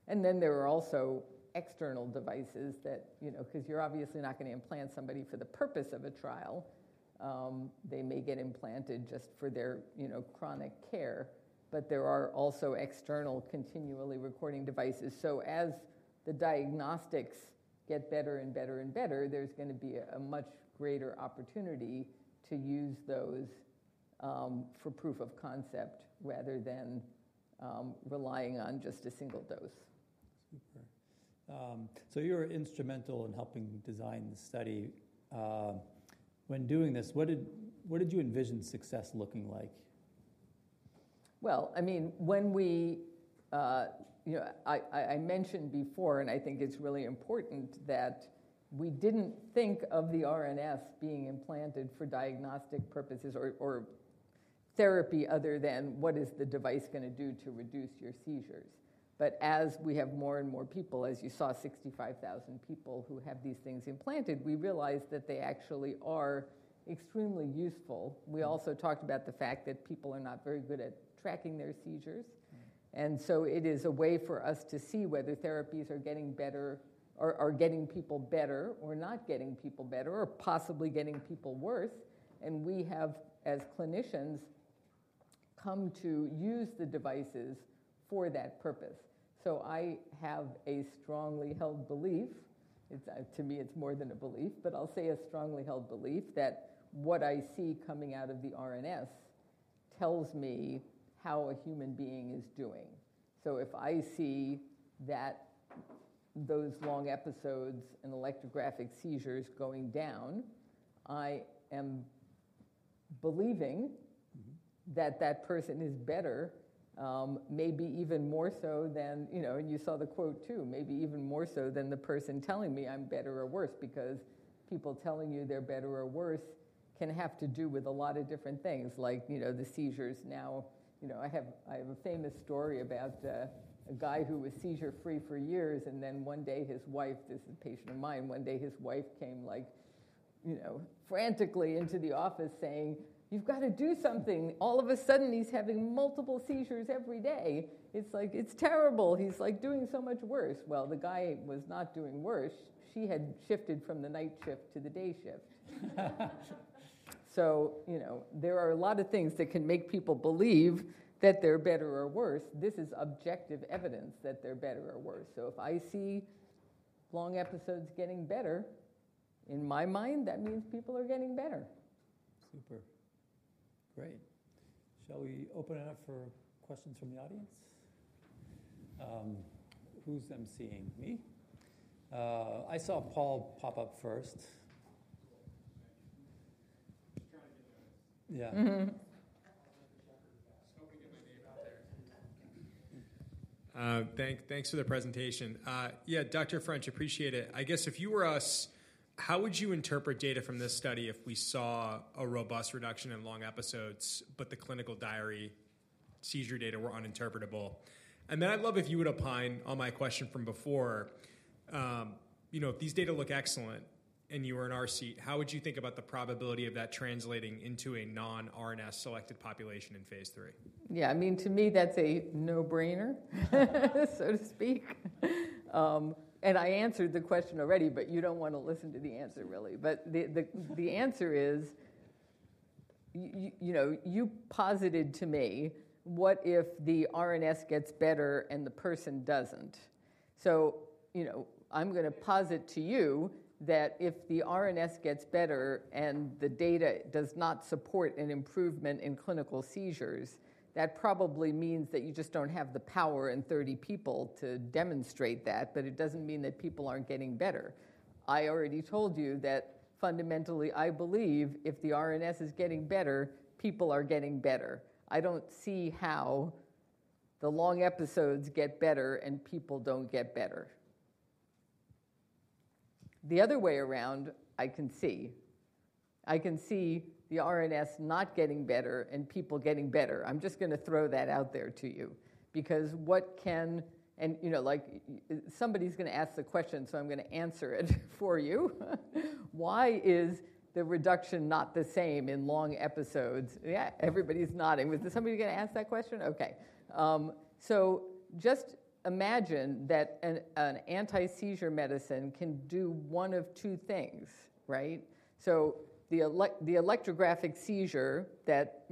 and then there are also external devices that because you're obviously not going to implant somebody for the purpose of a trial, they may get implanted just for their chronic care. There are also external continually recording devices. As the diagnostics get better and better and better, there's going to be a much greater opportunity to use those for proof of concept rather than relying on just a single dose. Super. So, you're instrumental in helping design the study. When doing this, what did you envision success looking like? I mean, when we, I mentioned before, and I think it's really important that we didn't think of the RNS being implanted for diagnostic purposes or therapy other than what is the device going to do to reduce your seizures. As we have more and more people, as you saw 65,000 people who have these things implanted, we realized that they actually are extremely useful. We also talked about the fact that people are not very good at tracking their seizures. It is a way for us to see whether therapies are getting better or getting people better or not getting people better or possibly getting people worse. We have, as clinicians, come to use the devices for that purpose. I have a strongly held belief. To me, it's more than a belief, but I'll say a strongly held belief that what I see coming out of the RNS tells me how a human being is doing. If I see that those long episodes and electrographic seizures going down, I am believing that that person is better, maybe even more so than, and you saw the quote too, maybe even more so than the person telling me I'm better or worse because people telling you they're better or worse can have to do with a lot of different things like the seizures now. I have a famous story about a guy who was seizure-free for years. One day, his wife, this is a patient of mine, one day his wife came like frantically into the office saying, "You've got to do something. All of a sudden, he's having multiple seizures every day. It's like terrible. He's like doing so much worse. The guy was not doing worse. She had shifted from the night shift to the day shift. There are a lot of things that can make people believe that they're better or worse. This is objective evidence that they're better or worse. If I see long episodes getting better, in my mind, that means people are getting better. Super. Great. Shall we open it up for questions from the audience? Who's—I'm seeing—me? I saw Paul pop up first. Yeah. I'll go to the back. Hoping to get my name out there. Thanks for the presentation. Yeah, Dr. French, appreciate it. I guess if you were us, how would you interpret data from this study if we saw a robust reduction in long episodes, but the clinical diary seizure data were uninterpretable? I’d love if you would opine on my question from before. If these data look excellent and you were in our seat, how would you think about the probability of that translating into a non-RNS selected population in phase three? Yeah, I mean, to me, that's a no-brainer, so to speak. I answered the question already, but you don't want to listen to the answer really. The answer is, you posited to me, what if the RNS gets better and the person doesn't? I'm going to posit to you that if the RNS gets better and the data does not support an improvement in clinical seizures, that probably means that you just don't have the power in 30 people to demonstrate that. It doesn't mean that people aren't getting better. I already told you that fundamentally I believe if the RNS is getting better, people are getting better. I don't see how the long episodes get better and people don't get better. The other way around, I can see. I can see the RNS not getting better and people getting better. I'm just going to throw that out there to you because what can, and somebody's going to ask the question, so I'm going to answer it for you. Why is the reduction not the same in long episodes? Yeah, everybody's nodding. Was there somebody going to ask that question? Okay. Just imagine that an anti-seizure medicine can do one of two things, right? The electrographic seizure that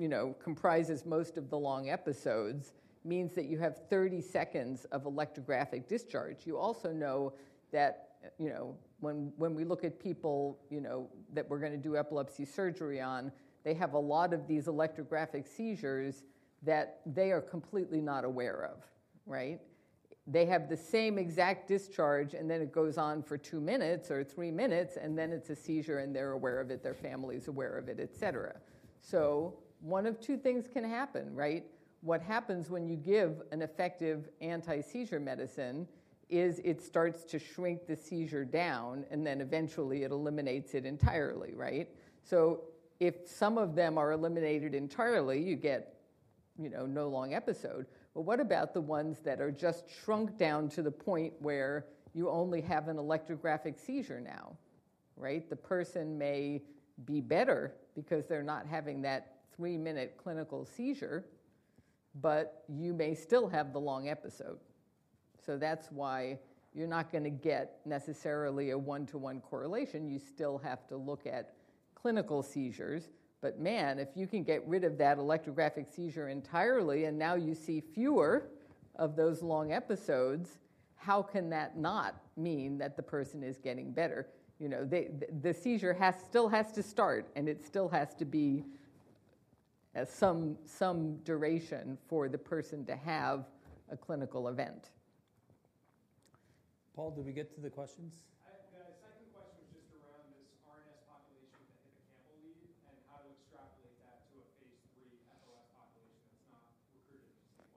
comprises most of the long episodes means that you have 30 seconds of electrographic discharge. You also know that when we look at people that we're going to do epilepsy surgery on, they have a lot of these electrographic seizures that they are completely not aware of, right? They have the same exact discharge, and then it goes on for two minutes or three minutes, and then it's a seizure and they're aware of it, their family's aware of it, et cetera. One of two things can happen, right? What happens when you give an effective anti-seizure medicine is it starts to shrink the seizure down, and then eventually it eliminates it entirely, right? If some of them are eliminated entirely, you get no long episode. What about the ones that are just shrunk down to the point where you only have an electrographic seizure now, right? The person may be better because they're not having that three-minute clinical seizure, but you may still have the long episode. That's why you're not going to get necessarily a one-to-one correlation. You still have to look at clinical seizures. If you can get rid of that electrographic seizure entirely and now you see fewer of those long episodes, how can that not mean that the person is getting better? The seizure still has to start, and it still has to be some duration for the person to have a clinical event. Paul, did we get to the questions?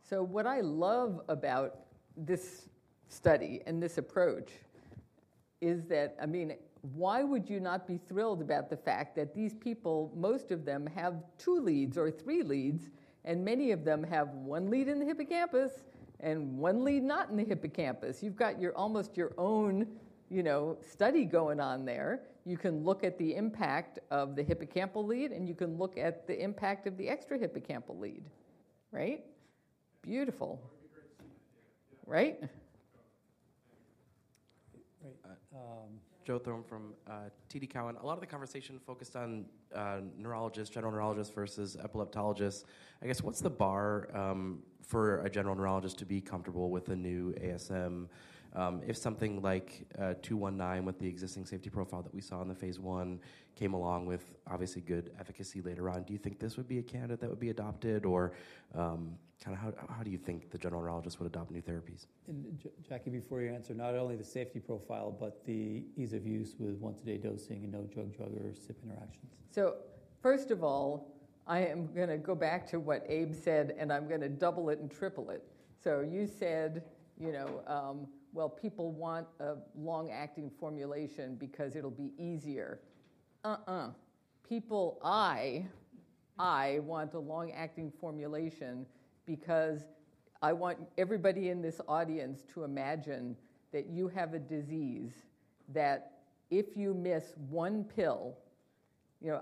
Second question was just around this RNS population that hit a Campbell lead and how to extrapolate that to a phase three FLS population that's not recruited the same way. What I love about this study and this approach is that, I mean, why would you not be thrilled about the fact that these people, most of them have two leads or three leads, and many of them have one lead in the hippocampus and one lead not in the hippocampus? You've got almost your own study going on there. You can look at the impact of the hippocampal lead, and you can look at the impact of the extrahippocampal lead, right? Beautiful. Right? Joe Thorne from TD Cowen. A lot of the conversation focused on neurologists, general neurologists versus epileptologists. I guess what's the bar for a general neurologist to be comfortable with a new ASM if something like 219 with the existing safety profile that we saw in the phase one came along with obviously good efficacy later on? Do you think this would be a candidate that would be adopted? Or kind of how do you think the general neurologist would adopt new therapies? Jackie, before you answer, not only the safety profile, but the ease of use with once-a-day dosing and no drug-drug or CYP interactions. First of all, I am going to go back to what Abe said, and I'm going to double it and triple it. You said, well, people want a long-acting formulation because it'll be easier. Uh-uh. People, I want a long-acting formulation because I want everybody in this audience to imagine that you have a disease that if you miss one pill,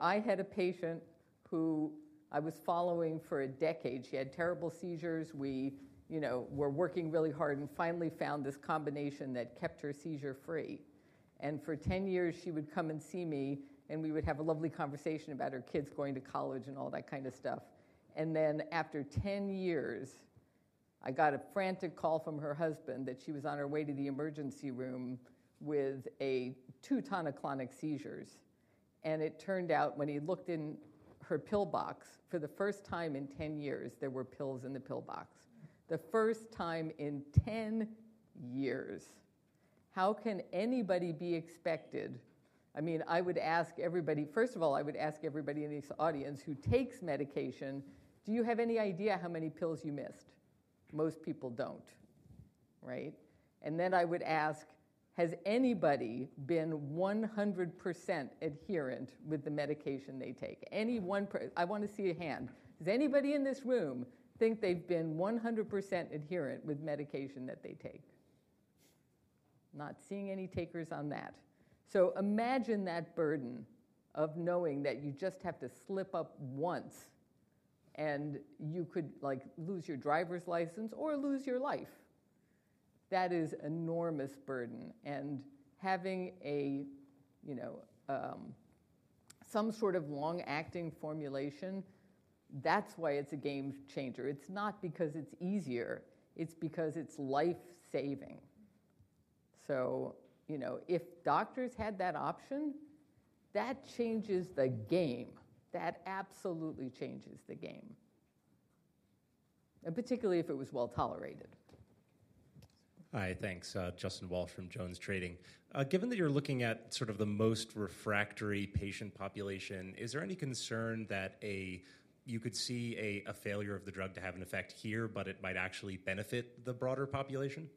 I had a patient who I was following for a decade. She had terrible seizures. We were working really hard and finally found this combination that kept her seizure free. For 10 years, she would come and see me, and we would have a lovely conversation about her kids going to college and all that kind of stuff. After 10 years, I got a frantic call from her husband that she was on her way to the emergency room with two tonic-clonic seizures. It turned out when he looked in her pill box, for the first time in 10 years, there were pills in the pill box. The first time in 10 years. How can anybody be expected? I mean, I would ask everybody, first of all, I would ask everybody in this audience who takes medication, do you have any idea how many pills you missed? Most people don't, right? I would ask, has anybody been 100% adherent with the medication they take? Anyone? I want to see a hand. Does anybody in this room think they've been 100% adherent with medication that they take? Not seeing any takers on that. Imagine that burden of knowing that you just have to slip up once and you could lose your driver's license or lose your life. That is an enormous burden. Having some sort of long-acting formulation, that's why it's a game changer. It's not because it's easier. It's because it's life-saving. If doctors had that option, that changes the game. That absolutely changes the game, particularly if it was well tolerated. Hi, thanks. Justin Walsh from Jones Trading. Given that you're looking at sort of the most refractory patient population, is there any concern that you could see a failure of the drug to have an effect here, but it might actually benefit the broader population?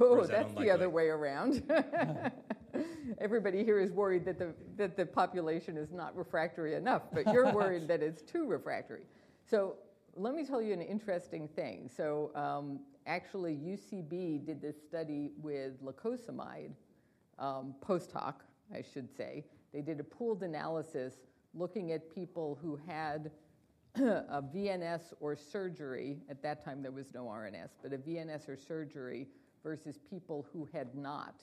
Oh, that's the other way around. Everybody here is worried that the population is not refractory enough, but you're worried that it's too refractory. Let me tell you an interesting thing. Actually, UCB did this study with Lacosamide, post-hoc, I should say. They did a pooled analysis looking at people who had a VNS or surgery. At that time, there was no RNS, but a VNS or surgery versus people who had not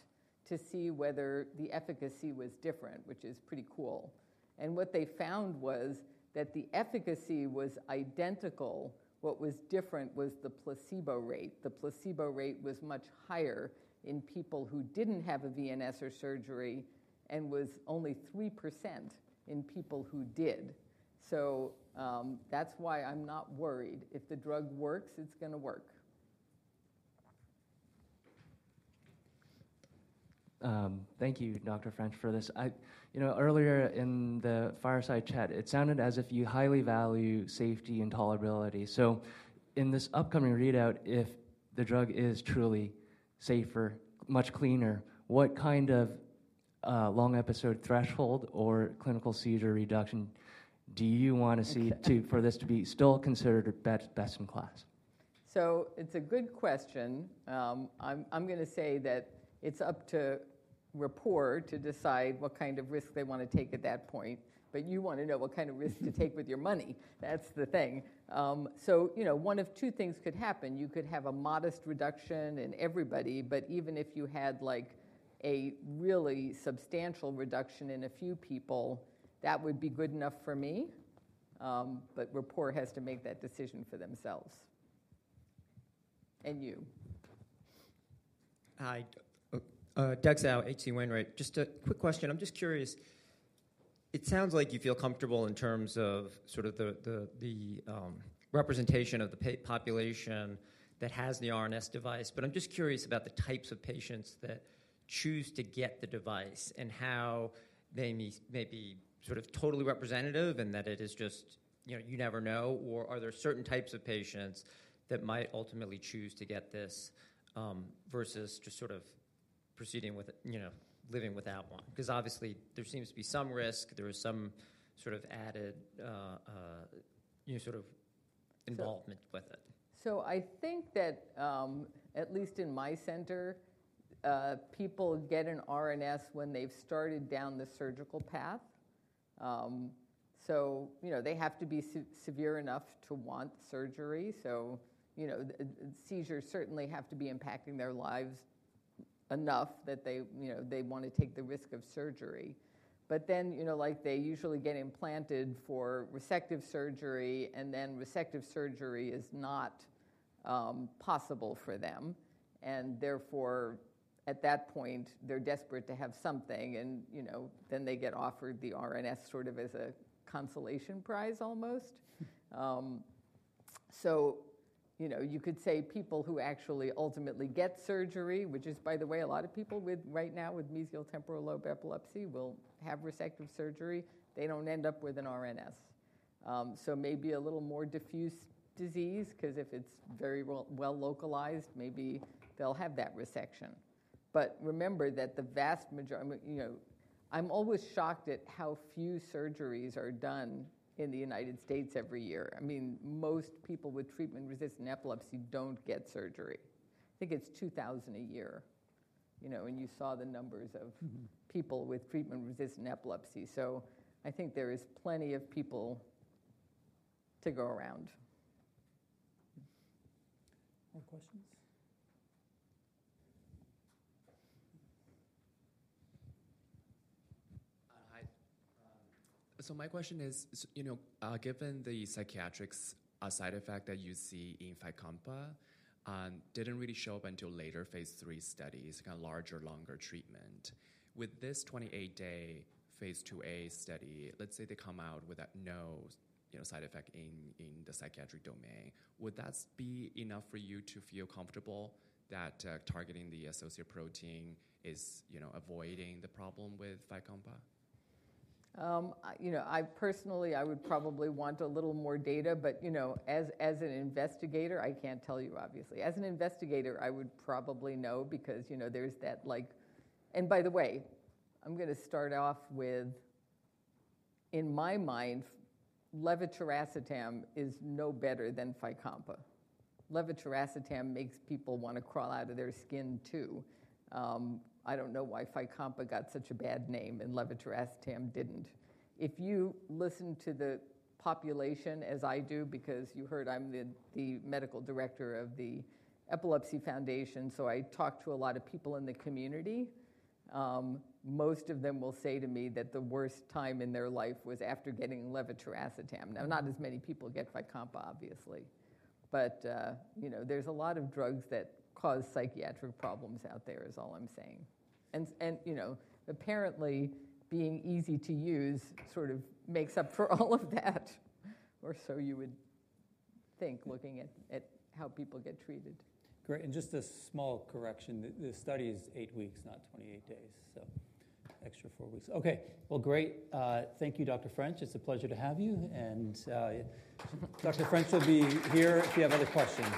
to see whether the efficacy was different, which is pretty cool. What they found was that the efficacy was identical. What was different was the placebo rate. The placebo rate was much higher in people who did not have a VNS or surgery and was only 3% in people who did. That's why I'm not worried. If the drug works, it's going to work. Thank you, Dr. French, for this. Earlier in the fireside chat, it sounded as if you highly value safety and tolerability. In this upcoming readout, if the drug is truly safer, much cleaner, what kind of long-episode threshold or clinical seizure reduction do you want to see for this to be still considered best in class? It's a good question. I'm going to say that it's up to Rapport to decide what kind of risk they want to take at that point. You want to know what kind of risk to take with your money. That's the thing. One of two things could happen. You could have a modest reduction in everybody, but even if you had a really substantial reduction in a few people, that would be good enough for me. Rapport has to make that decision for themselves. And you. Hi, Doug Tsao, H.C. Wainwright. Just a quick question. I'm just curious. It sounds like you feel comfortable in terms of sort of the representation of the population that has the RNS device, but I'm just curious about the types of patients that choose to get the device and how they may be sort of totally representative and that it is just, you never know, or are there certain types of patients that might ultimately choose to get this versus just sort of proceeding with living without one? Because obviously, there seems to be some risk. There is some sort of added sort of involvement with it. I think that at least in my center, people get an RNS when they've started down the surgical path. They have to be severe enough to want surgery. Seizures certainly have to be impacting their lives enough that they want to take the risk of surgery. They usually get implanted for resective surgery, and then resective surgery is not possible for them. At that point, they're desperate to have something, and then they get offered the RNS sort of as a consolation prize almost. You could say people who actually ultimately get surgery, which is, by the way, a lot of people right now with mesial temporal lobe epilepsy will have resective surgery, they do not end up with an RNS. Maybe a little more diffuse disease because if it's very well localized, maybe they'll have that resection. Remember that the vast majority, I'm always shocked at how few surgeries are done in the U.S. every year. I mean, most people with treatment-resistant epilepsy don't get surgery. I think it's 2,000 a year. You saw the numbers of people with treatment-resistant epilepsy. I think there is plenty of people to go around. More questions? Hi. My question is, given the psychiatric side effect that you see in Fycompa, did not really show up until later phase three studies, kind of larger longer treatment. With this 28-day phase 2A study, let's say they come out with no side effect in the psychiatric domain, would that be enough for you to feel comfortable that targeting the associate protein is avoiding the problem with Fycompa? I personally, I would probably want a little more data, but as an investigator, I can't tell you, obviously. As an investigator, I would probably know because there's that, and by the way, I'm going to start off with, in my mind, levetiracetam is no better than Fycompa. Levetiracetam makes people want to crawl out of their skin too. I don't know why Fycompa got such a bad name and levetiracetam didn't. If you listen to the population, as I do, because you heard I'm the medical director of the Epilepsy Foundation, so I talk to a lot of people in the community. Most of them will say to me that the worst time in their life was after getting levetiracetam. Now, not as many people get Fycompa, obviously. But there's a lot of drugs that cause psychiatric problems out there, is all I'm saying. Apparently, being easy to use sort of makes up for all of that, or so you would think looking at how people get treated. Great. And just a small correction. The study is eight weeks, not 28 days, so extra four weeks. Okay. Great. Thank you, Dr. French. It's a pleasure to have you. Dr. French will be here if you have other questions.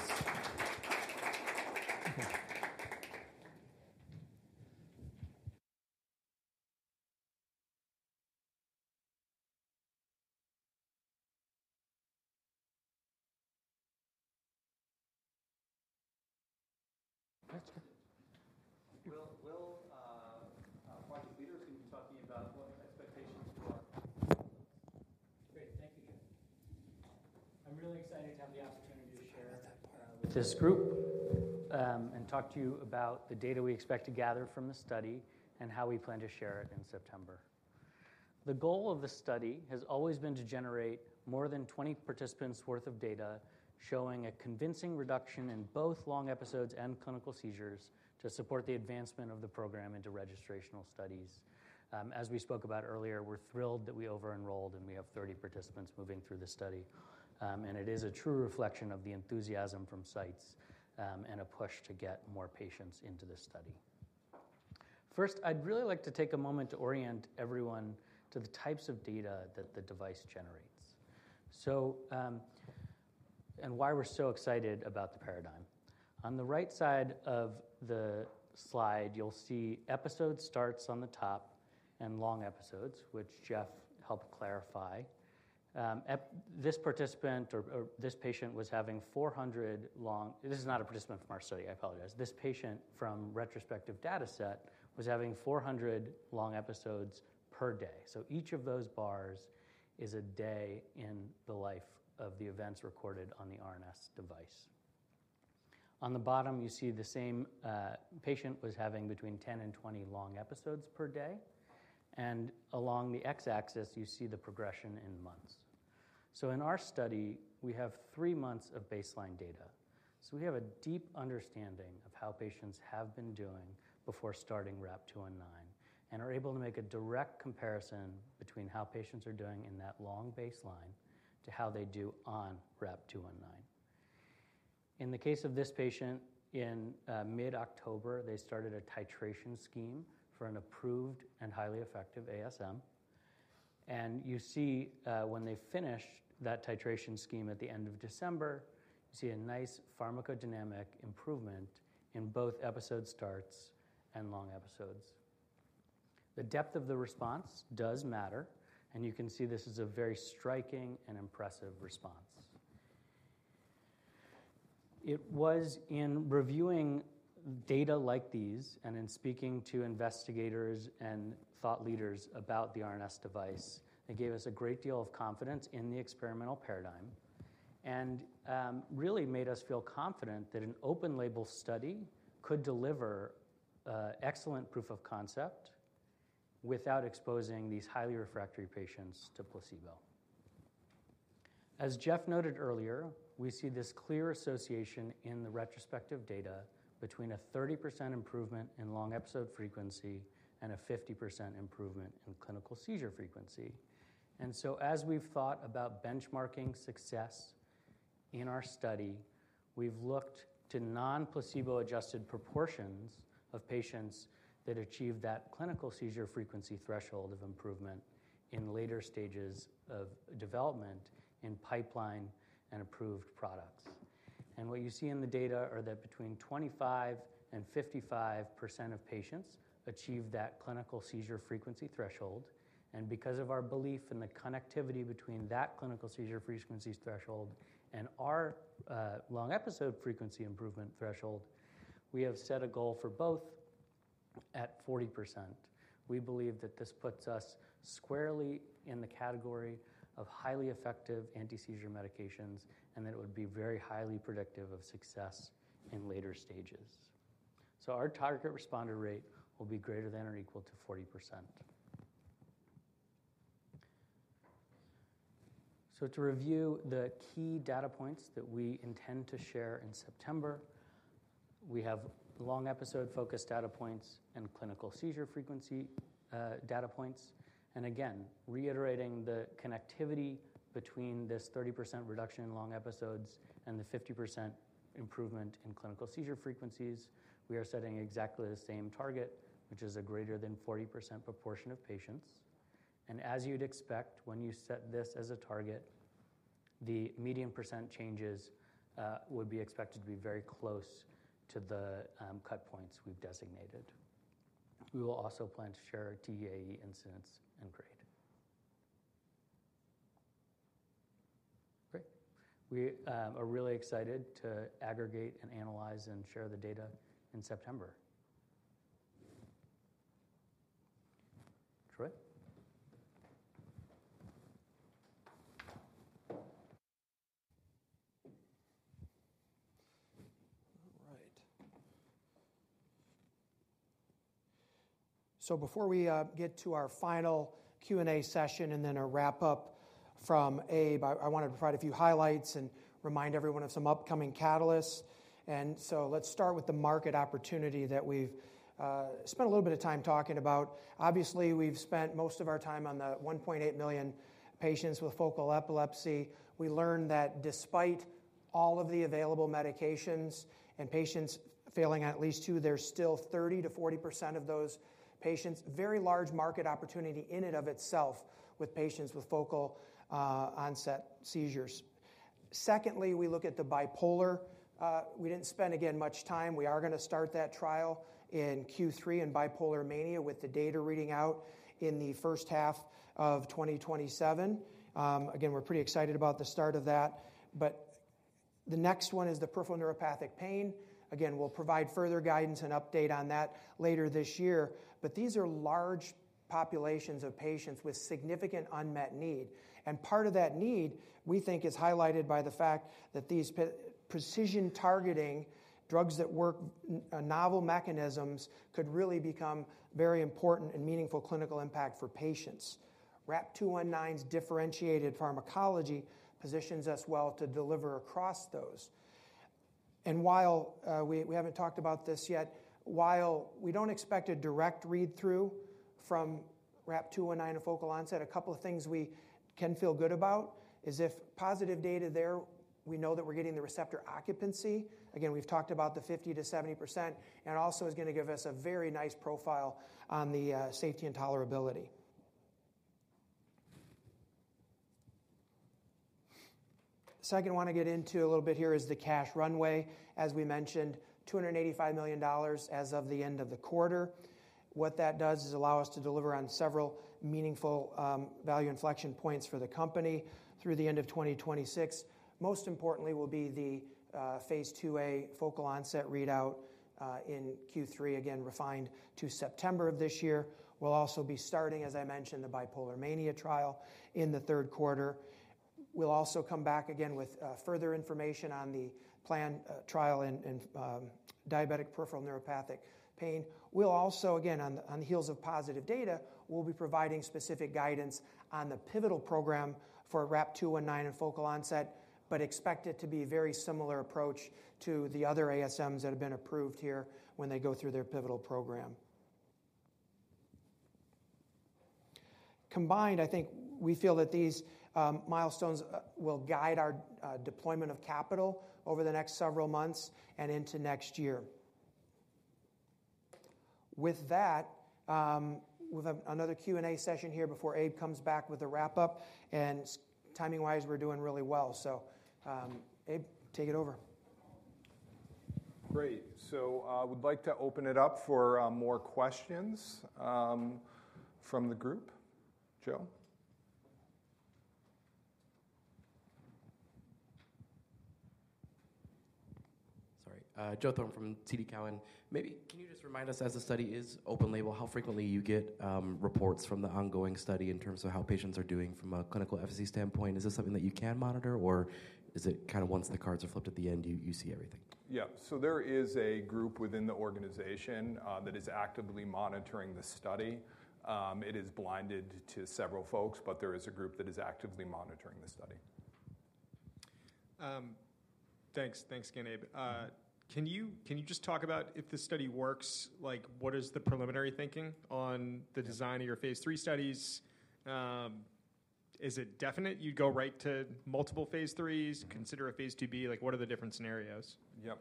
Will Project Leader is going to be talking about what expectations for our patients. Great. Thank you, Jeff. I'm really excited to have the opportunity to share with this group and talk to you about the data we expect to gather from the study and how we plan to share it in September. The goal of the study has always been to generate more than 20 participants' worth of data showing a convincing reduction in both long episodes and clinical seizures to support the advancement of the program into registrational studies. As we spoke about earlier, we're thrilled that we over-enrolled and we have 30 participants moving through the study. It is a true reflection of the enthusiasm from sites and a push to get more patients into this study. First, I'd really like to take a moment to orient everyone to the types of data that the device generates and why we're so excited about the paradigm. On the right side of the slide, you'll see episode starts on the top and long episodes, which Jeff helped clarify. This participant or this patient was having 400 long—this is not a participant from our study, I apologize. This patient from retrospective data set was having 400 long episodes per day. Each of those bars is a day in the life of the events recorded on the RNS device. On the bottom, you see the same patient was having between 10 and 20 long episodes per day. Along the x-axis, you see the progression in months. In our study, we have three months of baseline data. We have a deep understanding of how patients have been doing before starting RAP-219 and are able to make a direct comparison between how patients are doing in that long baseline to how they do on RAP-219. In the case of this patient, in mid-October, they started a titration scheme for an approved and highly effective ASM. You see when they finished that titration scheme at the end of December, you see a nice pharmacodynamic improvement in both episode starts and long episodes. The depth of the response does matter. You can see this is a very striking and impressive response. It was in reviewing data like these and in speaking to investigators and thought leaders about the RNS device that gave us a great deal of confidence in the experimental paradigm and really made us feel confident that an open-label study could deliver excellent proof of concept without exposing these highly refractory patients to placebo. As Jeff noted earlier, we see this clear association in the retrospective data between a 30% improvement in long episode frequency and a 50% improvement in clinical seizure frequency. As we've thought about benchmarking success in our study, we've looked to non-placebo adjusted proportions of patients that achieve that clinical seizure frequency threshold of improvement in later stages of development in pipeline and approved products. What you see in the data are that between 25%-55% of patients achieve that clinical seizure frequency threshold. Because of our belief in the connectivity between that clinical seizure frequency threshold and our long episode frequency improvement threshold, we have set a goal for both at 40%. We believe that this puts us squarely in the category of highly effective anti-seizure medications and that it would be very highly predictive of success in later stages. Our target responder rate will be greater than or equal to 40%. To review the key data points that we intend to share in September, we have long episode focused data points and clinical seizure frequency data points. Again, reiterating the connectivity between this 30% reduction in long episodes and the 50% improvement in clinical seizure frequencies, we are setting exactly the same target, which is a greater than 40% proportion of patients. As you'd expect, when you set this as a target, the median % changes would be expected to be very close to the cut points we've designated. We will also plan to share our TEAE incidence and grade. Great. We are really excited to aggregate and analyze and share the data in September. Troy? All right. Before we get to our final Q&A session and then a wrap-up from Abe, I wanted to provide a few highlights and remind everyone of some upcoming catalysts. Let's start with the market opportunity that we've spent a little bit of time talking about. Obviously, we've spent most of our time on the 1.8 million patients with focal epilepsy. We learned that despite all of the available medications and patients failing at least two, there's still 30%-40% of those patients, very large market opportunity in and of itself with patients with focal onset seizures. Secondly, we look at the bipolar. We didn't spend, again, much time. We are going to start that trial in Q3 in bipolar mania with the data reading out in the first half of 2027. Again, we're pretty excited about the start of that. The next one is the peripheral neuropathic pain. Again, we'll provide further guidance and update on that later this year. These are large populations of patients with significant unmet need. Part of that need, we think, is highlighted by the fact that these precision targeting drugs that work novel mechanisms could really become very important and meaningful clinical impact for patients. RAP-219's differentiated pharmacology positions us well to deliver across those. While we haven't talked about this yet, while we don't expect a direct read-through from RAP-219 of focal onset, a couple of things we can feel good about is if positive data there, we know that we're getting the receptor occupancy. Again, we've talked about the 50%-70%, and it also is going to give us a very nice profile on the safety and tolerability. Second, I want to get into a little bit here is the cash runway. As we mentioned, $285 million as of the end of the quarter. What that does is allow us to deliver on several meaningful value inflection points for the company through the end of 2026. Most importantly, will be the phase 2A focal onset readout in Q3, again, refined to September of this year. We'll also be starting, as I mentioned, the bipolar mania trial in the third quarter. We'll also come back again with further information on the planned trial in diabetic peripheral neuropathic pain. We'll also, again, on the heels of positive data, we'll be providing specific guidance on the pivotal program for RAP-219 and focal onset, but expect it to be a very similar approach to the other ASMs that have been approved here when they go through their pivotal program. Combined, I think we feel that these milestones will guide our deployment of capital over the next several months and into next year. With that, we'll have another Q&A session here before Abe comes back with a wrap-up. Timing-wise, we're doing really well. Abe, take it over. Great. I would like to open it up for more questions from the group. Joe? Sorry. Joe Thorne from TD Cowen. Maybe can you just remind us, as the study is open label, how frequently you get reports from the ongoing study in terms of how patients are doing from a clinical efficacy standpoint? Is this something that you can monitor, or is it kind of once the cards are flipped at the end, you see everything? Yeah. There is a group within the organization that is actively monitoring the study. It is blinded to several folks, but there is a group that is actively monitoring the study. Thanks. Thanks again, Abe. Can you just talk about if this study works? What is the preliminary thinking on the design of your phase 3 studies? Is it definite you'd go right to multiple phase 3s, consider a phase 2B? What are the different scenarios? Yep.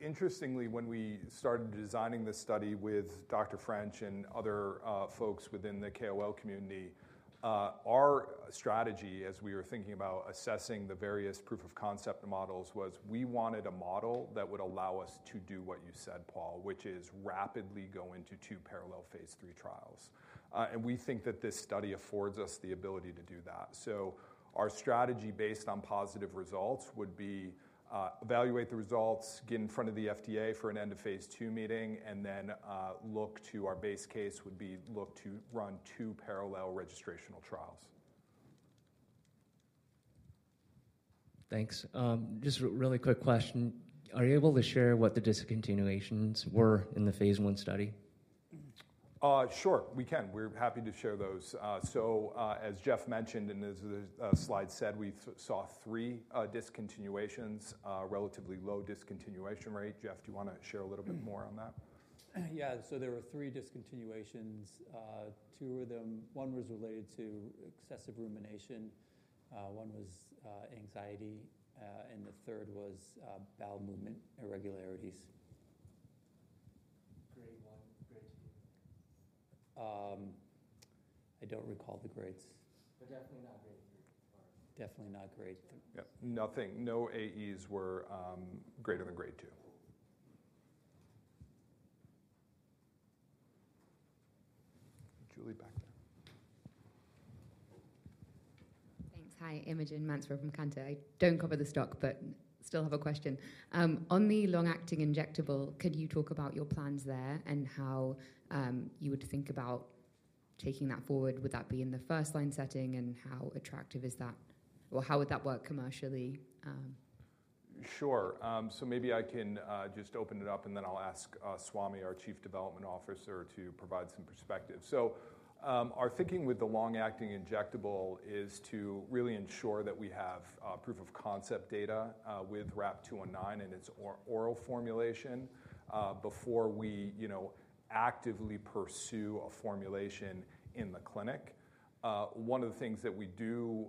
Interestingly, when we started designing this study with Dr. French and other folks within the KOL community, our strategy, as we were thinking about assessing the various proof of concept models, was we wanted a model that would allow us to do what you said, Paul, which is rapidly go into two parallel phase 3 trials. We think that this study affords us the ability to do that. Our strategy based on positive results would be evaluate the results, get in front of the FDA for an end of phase 2 meeting, and then look to our base case would be look to run two parallel registrational trials. Thanks. Just a really quick question. Are you able to share what the discontinuations were in the phase 1 study? Sure, we can. We're happy to share those. As Jeff mentioned and as the slide said, we saw three discontinuations, relatively low discontinuation rate. Jeff, do you want to share a little bit more on that? Yeah. There were three discontinuations. Two of them, one was related to excessive rumination, one was anxiety, and the third was bowel movement irregularities. Grade 1, grade 2? I don't recall the grades. Definitely not grade 3 or? Definitely not grade 3. Yep. Nothing. No AEs were greater than grade 2. Julie back there. Thanks. Hi, Imogen Mansfield from Cantor. I don't cover the stock, but still have a question. On the long-acting injectable, could you talk about your plans there and how you would think about taking that forward? Would that be in the first line setting and how attractive is that? How would that work commercially? Sure. Maybe I can just open it up, and then I'll ask Swami, our Chief Development Officer, to provide some perspective. Our thinking with the long-acting injectable is to really ensure that we have proof of concept data with RAP-219 and its oral formulation before we actively pursue a formulation in the clinic. One of the things that we do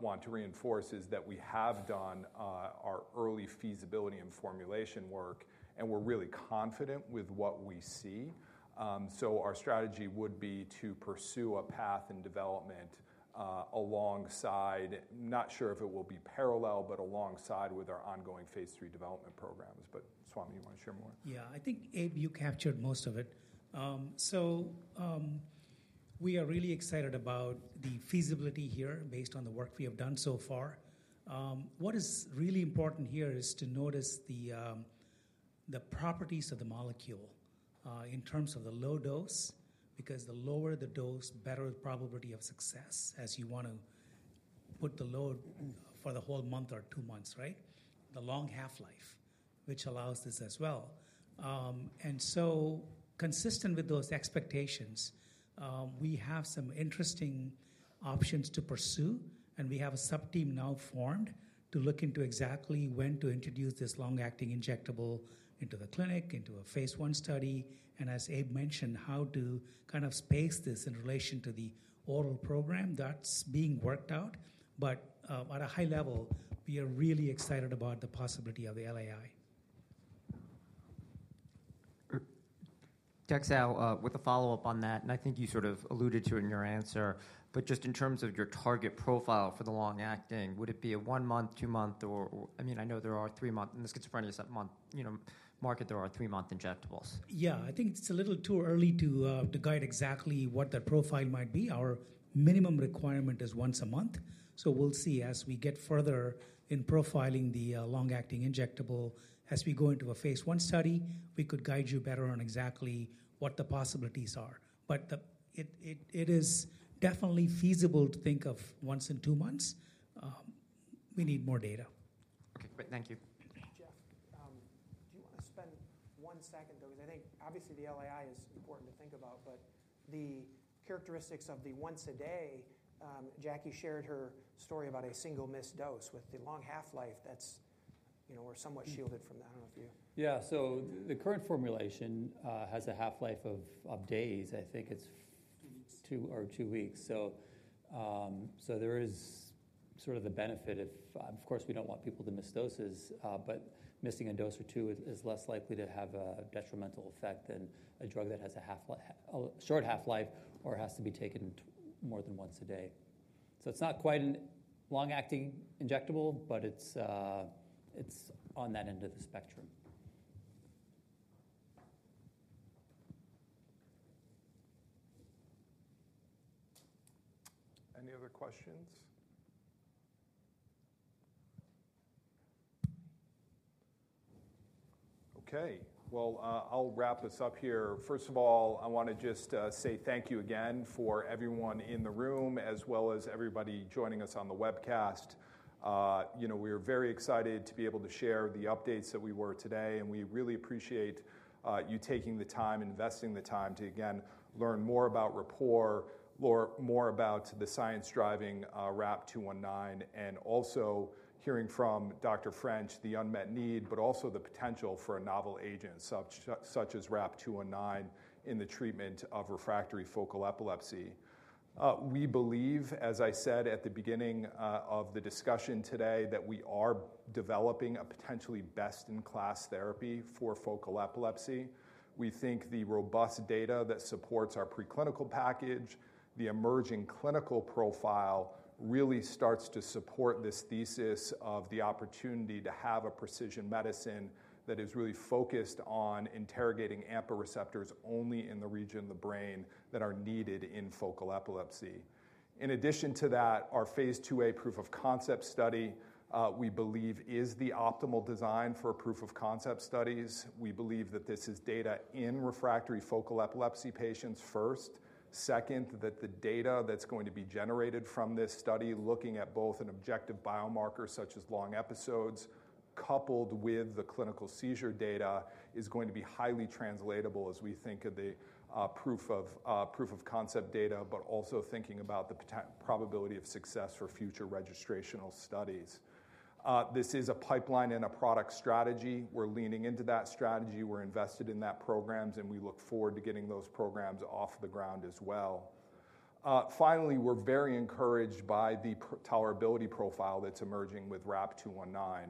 want to reinforce is that we have done our early feasibility and formulation work, and we're really confident with what we see. Our strategy would be to pursue a path in development alongside, not sure if it will be parallel, but alongside with our ongoing phase 3 development programs. Swami, you want to share more? Yeah. I think, Abe, you captured most of it. We are really excited about the feasibility here based on the work we have done so far. What is really important here is to notice the properties of the molecule in terms of the low dose, because the lower the dose, better the probability of success, as you want to put the load for the whole month or two months, right? The long half-life, which allows this as well. Consistent with those expectations, we have some interesting options to pursue, and we have a subteam now formed to look into exactly when to introduce this long-acting injectable into the clinic, into a phase 1 study. As Abe mentioned, how to kind of space this in relation to the oral program, that's being worked out. At a high level, we are really excited about the possibility of the LAI. Jack's out with a follow-up on that. I think you sort of alluded to it in your answer. Just in terms of your target profile for the long-acting, would it be a one-month, two-month, or, I mean, I know there are three-month in the schizophrenia market, there are three-month injectables. Yeah. I think it's a little too early to guide exactly what that profile might be. Our minimum requirement is once a month. We'll see as we get further in profiling the long-acting injectable, as we go into a phase 1 study, we could guide you better on exactly what the possibilities are. It is definitely feasible to think of once in two months. We need more data. Okay. Great. Thank you. Jeff, do you want to spend one second, though? Because I think obviously the LAI is important to think about, but the characteristics of the once a day, Jackie shared her story about a single missed dose with the long half-life, that we're somewhat shielded from that. I don't know if you. Yeah. The current formulation has a half-life of days. I think it's two weeks. Two weeks. Two or two weeks. There is sort of the benefit of, of course, we do not want people to miss doses, but missing a dose or two is less likely to have a detrimental effect than a drug that has a short half-life or has to be taken more than once a day. It is not quite a long-acting injectable, but it is on that end of the spectrum. Any other questions? Okay. I'll wrap this up here. First of all, I want to just say thank you again for everyone in the room, as well as everybody joining us on the webcast. We are very excited to be able to share the updates that we were today, and we really appreciate you taking the time, investing the time to, again, learn more about Rapport, more about the science driving RAP-219, and also hearing from Dr. French, the unmet need, but also the potential for a novel agent such as RAP-219 in the treatment of refractory focal epilepsy. We believe, as I said at the beginning of the discussion today, that we are developing a potentially best-in-class therapy for focal epilepsy. We think the robust data that supports our preclinical package, the emerging clinical profile really starts to support this thesis of the opportunity to have a precision medicine that is really focused on interrogating AMPA receptors only in the region of the brain that are needed in focal epilepsy. In addition to that, our phase 2A proof of concept study, we believe, is the optimal design for proof of concept studies. We believe that this is data in refractory focal epilepsy patients first. Second, that the data that's going to be generated from this study, looking at both an objective biomarker such as long episodes, coupled with the clinical seizure data, is going to be highly translatable as we think of the proof of concept data, but also thinking about the probability of success for future registrational studies. This is a pipeline and a product strategy. We're leaning into that strategy. We're invested in that programs, and we look forward to getting those programs off the ground as well. Finally, we're very encouraged by the tolerability profile that's emerging with RAP-219.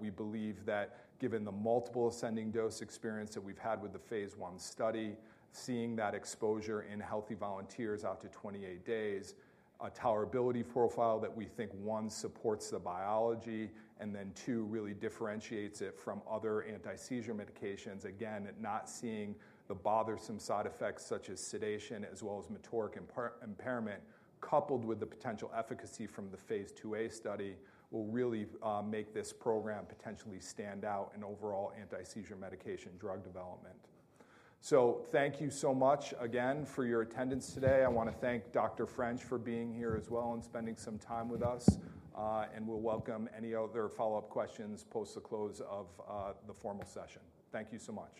We believe that given the multiple ascending dose experience that we've had with the phase 1 study, seeing that exposure in healthy volunteers out to 28 days, a tolerability profile that we think, one, supports the biology, and then, two, really differentiates it from other anti-seizure medications, again, not seeing the bothersome side effects such as sedation as well as motoric impairment, coupled with the potential efficacy from the phase 2A study, will really make this program potentially stand out in overall anti-seizure medication drug development. Thank you so much again for your attendance today. I want to thank Dr. French for being here as well and spending some time with us. We will welcome any other follow-up questions post the close of the formal session. Thank you so much.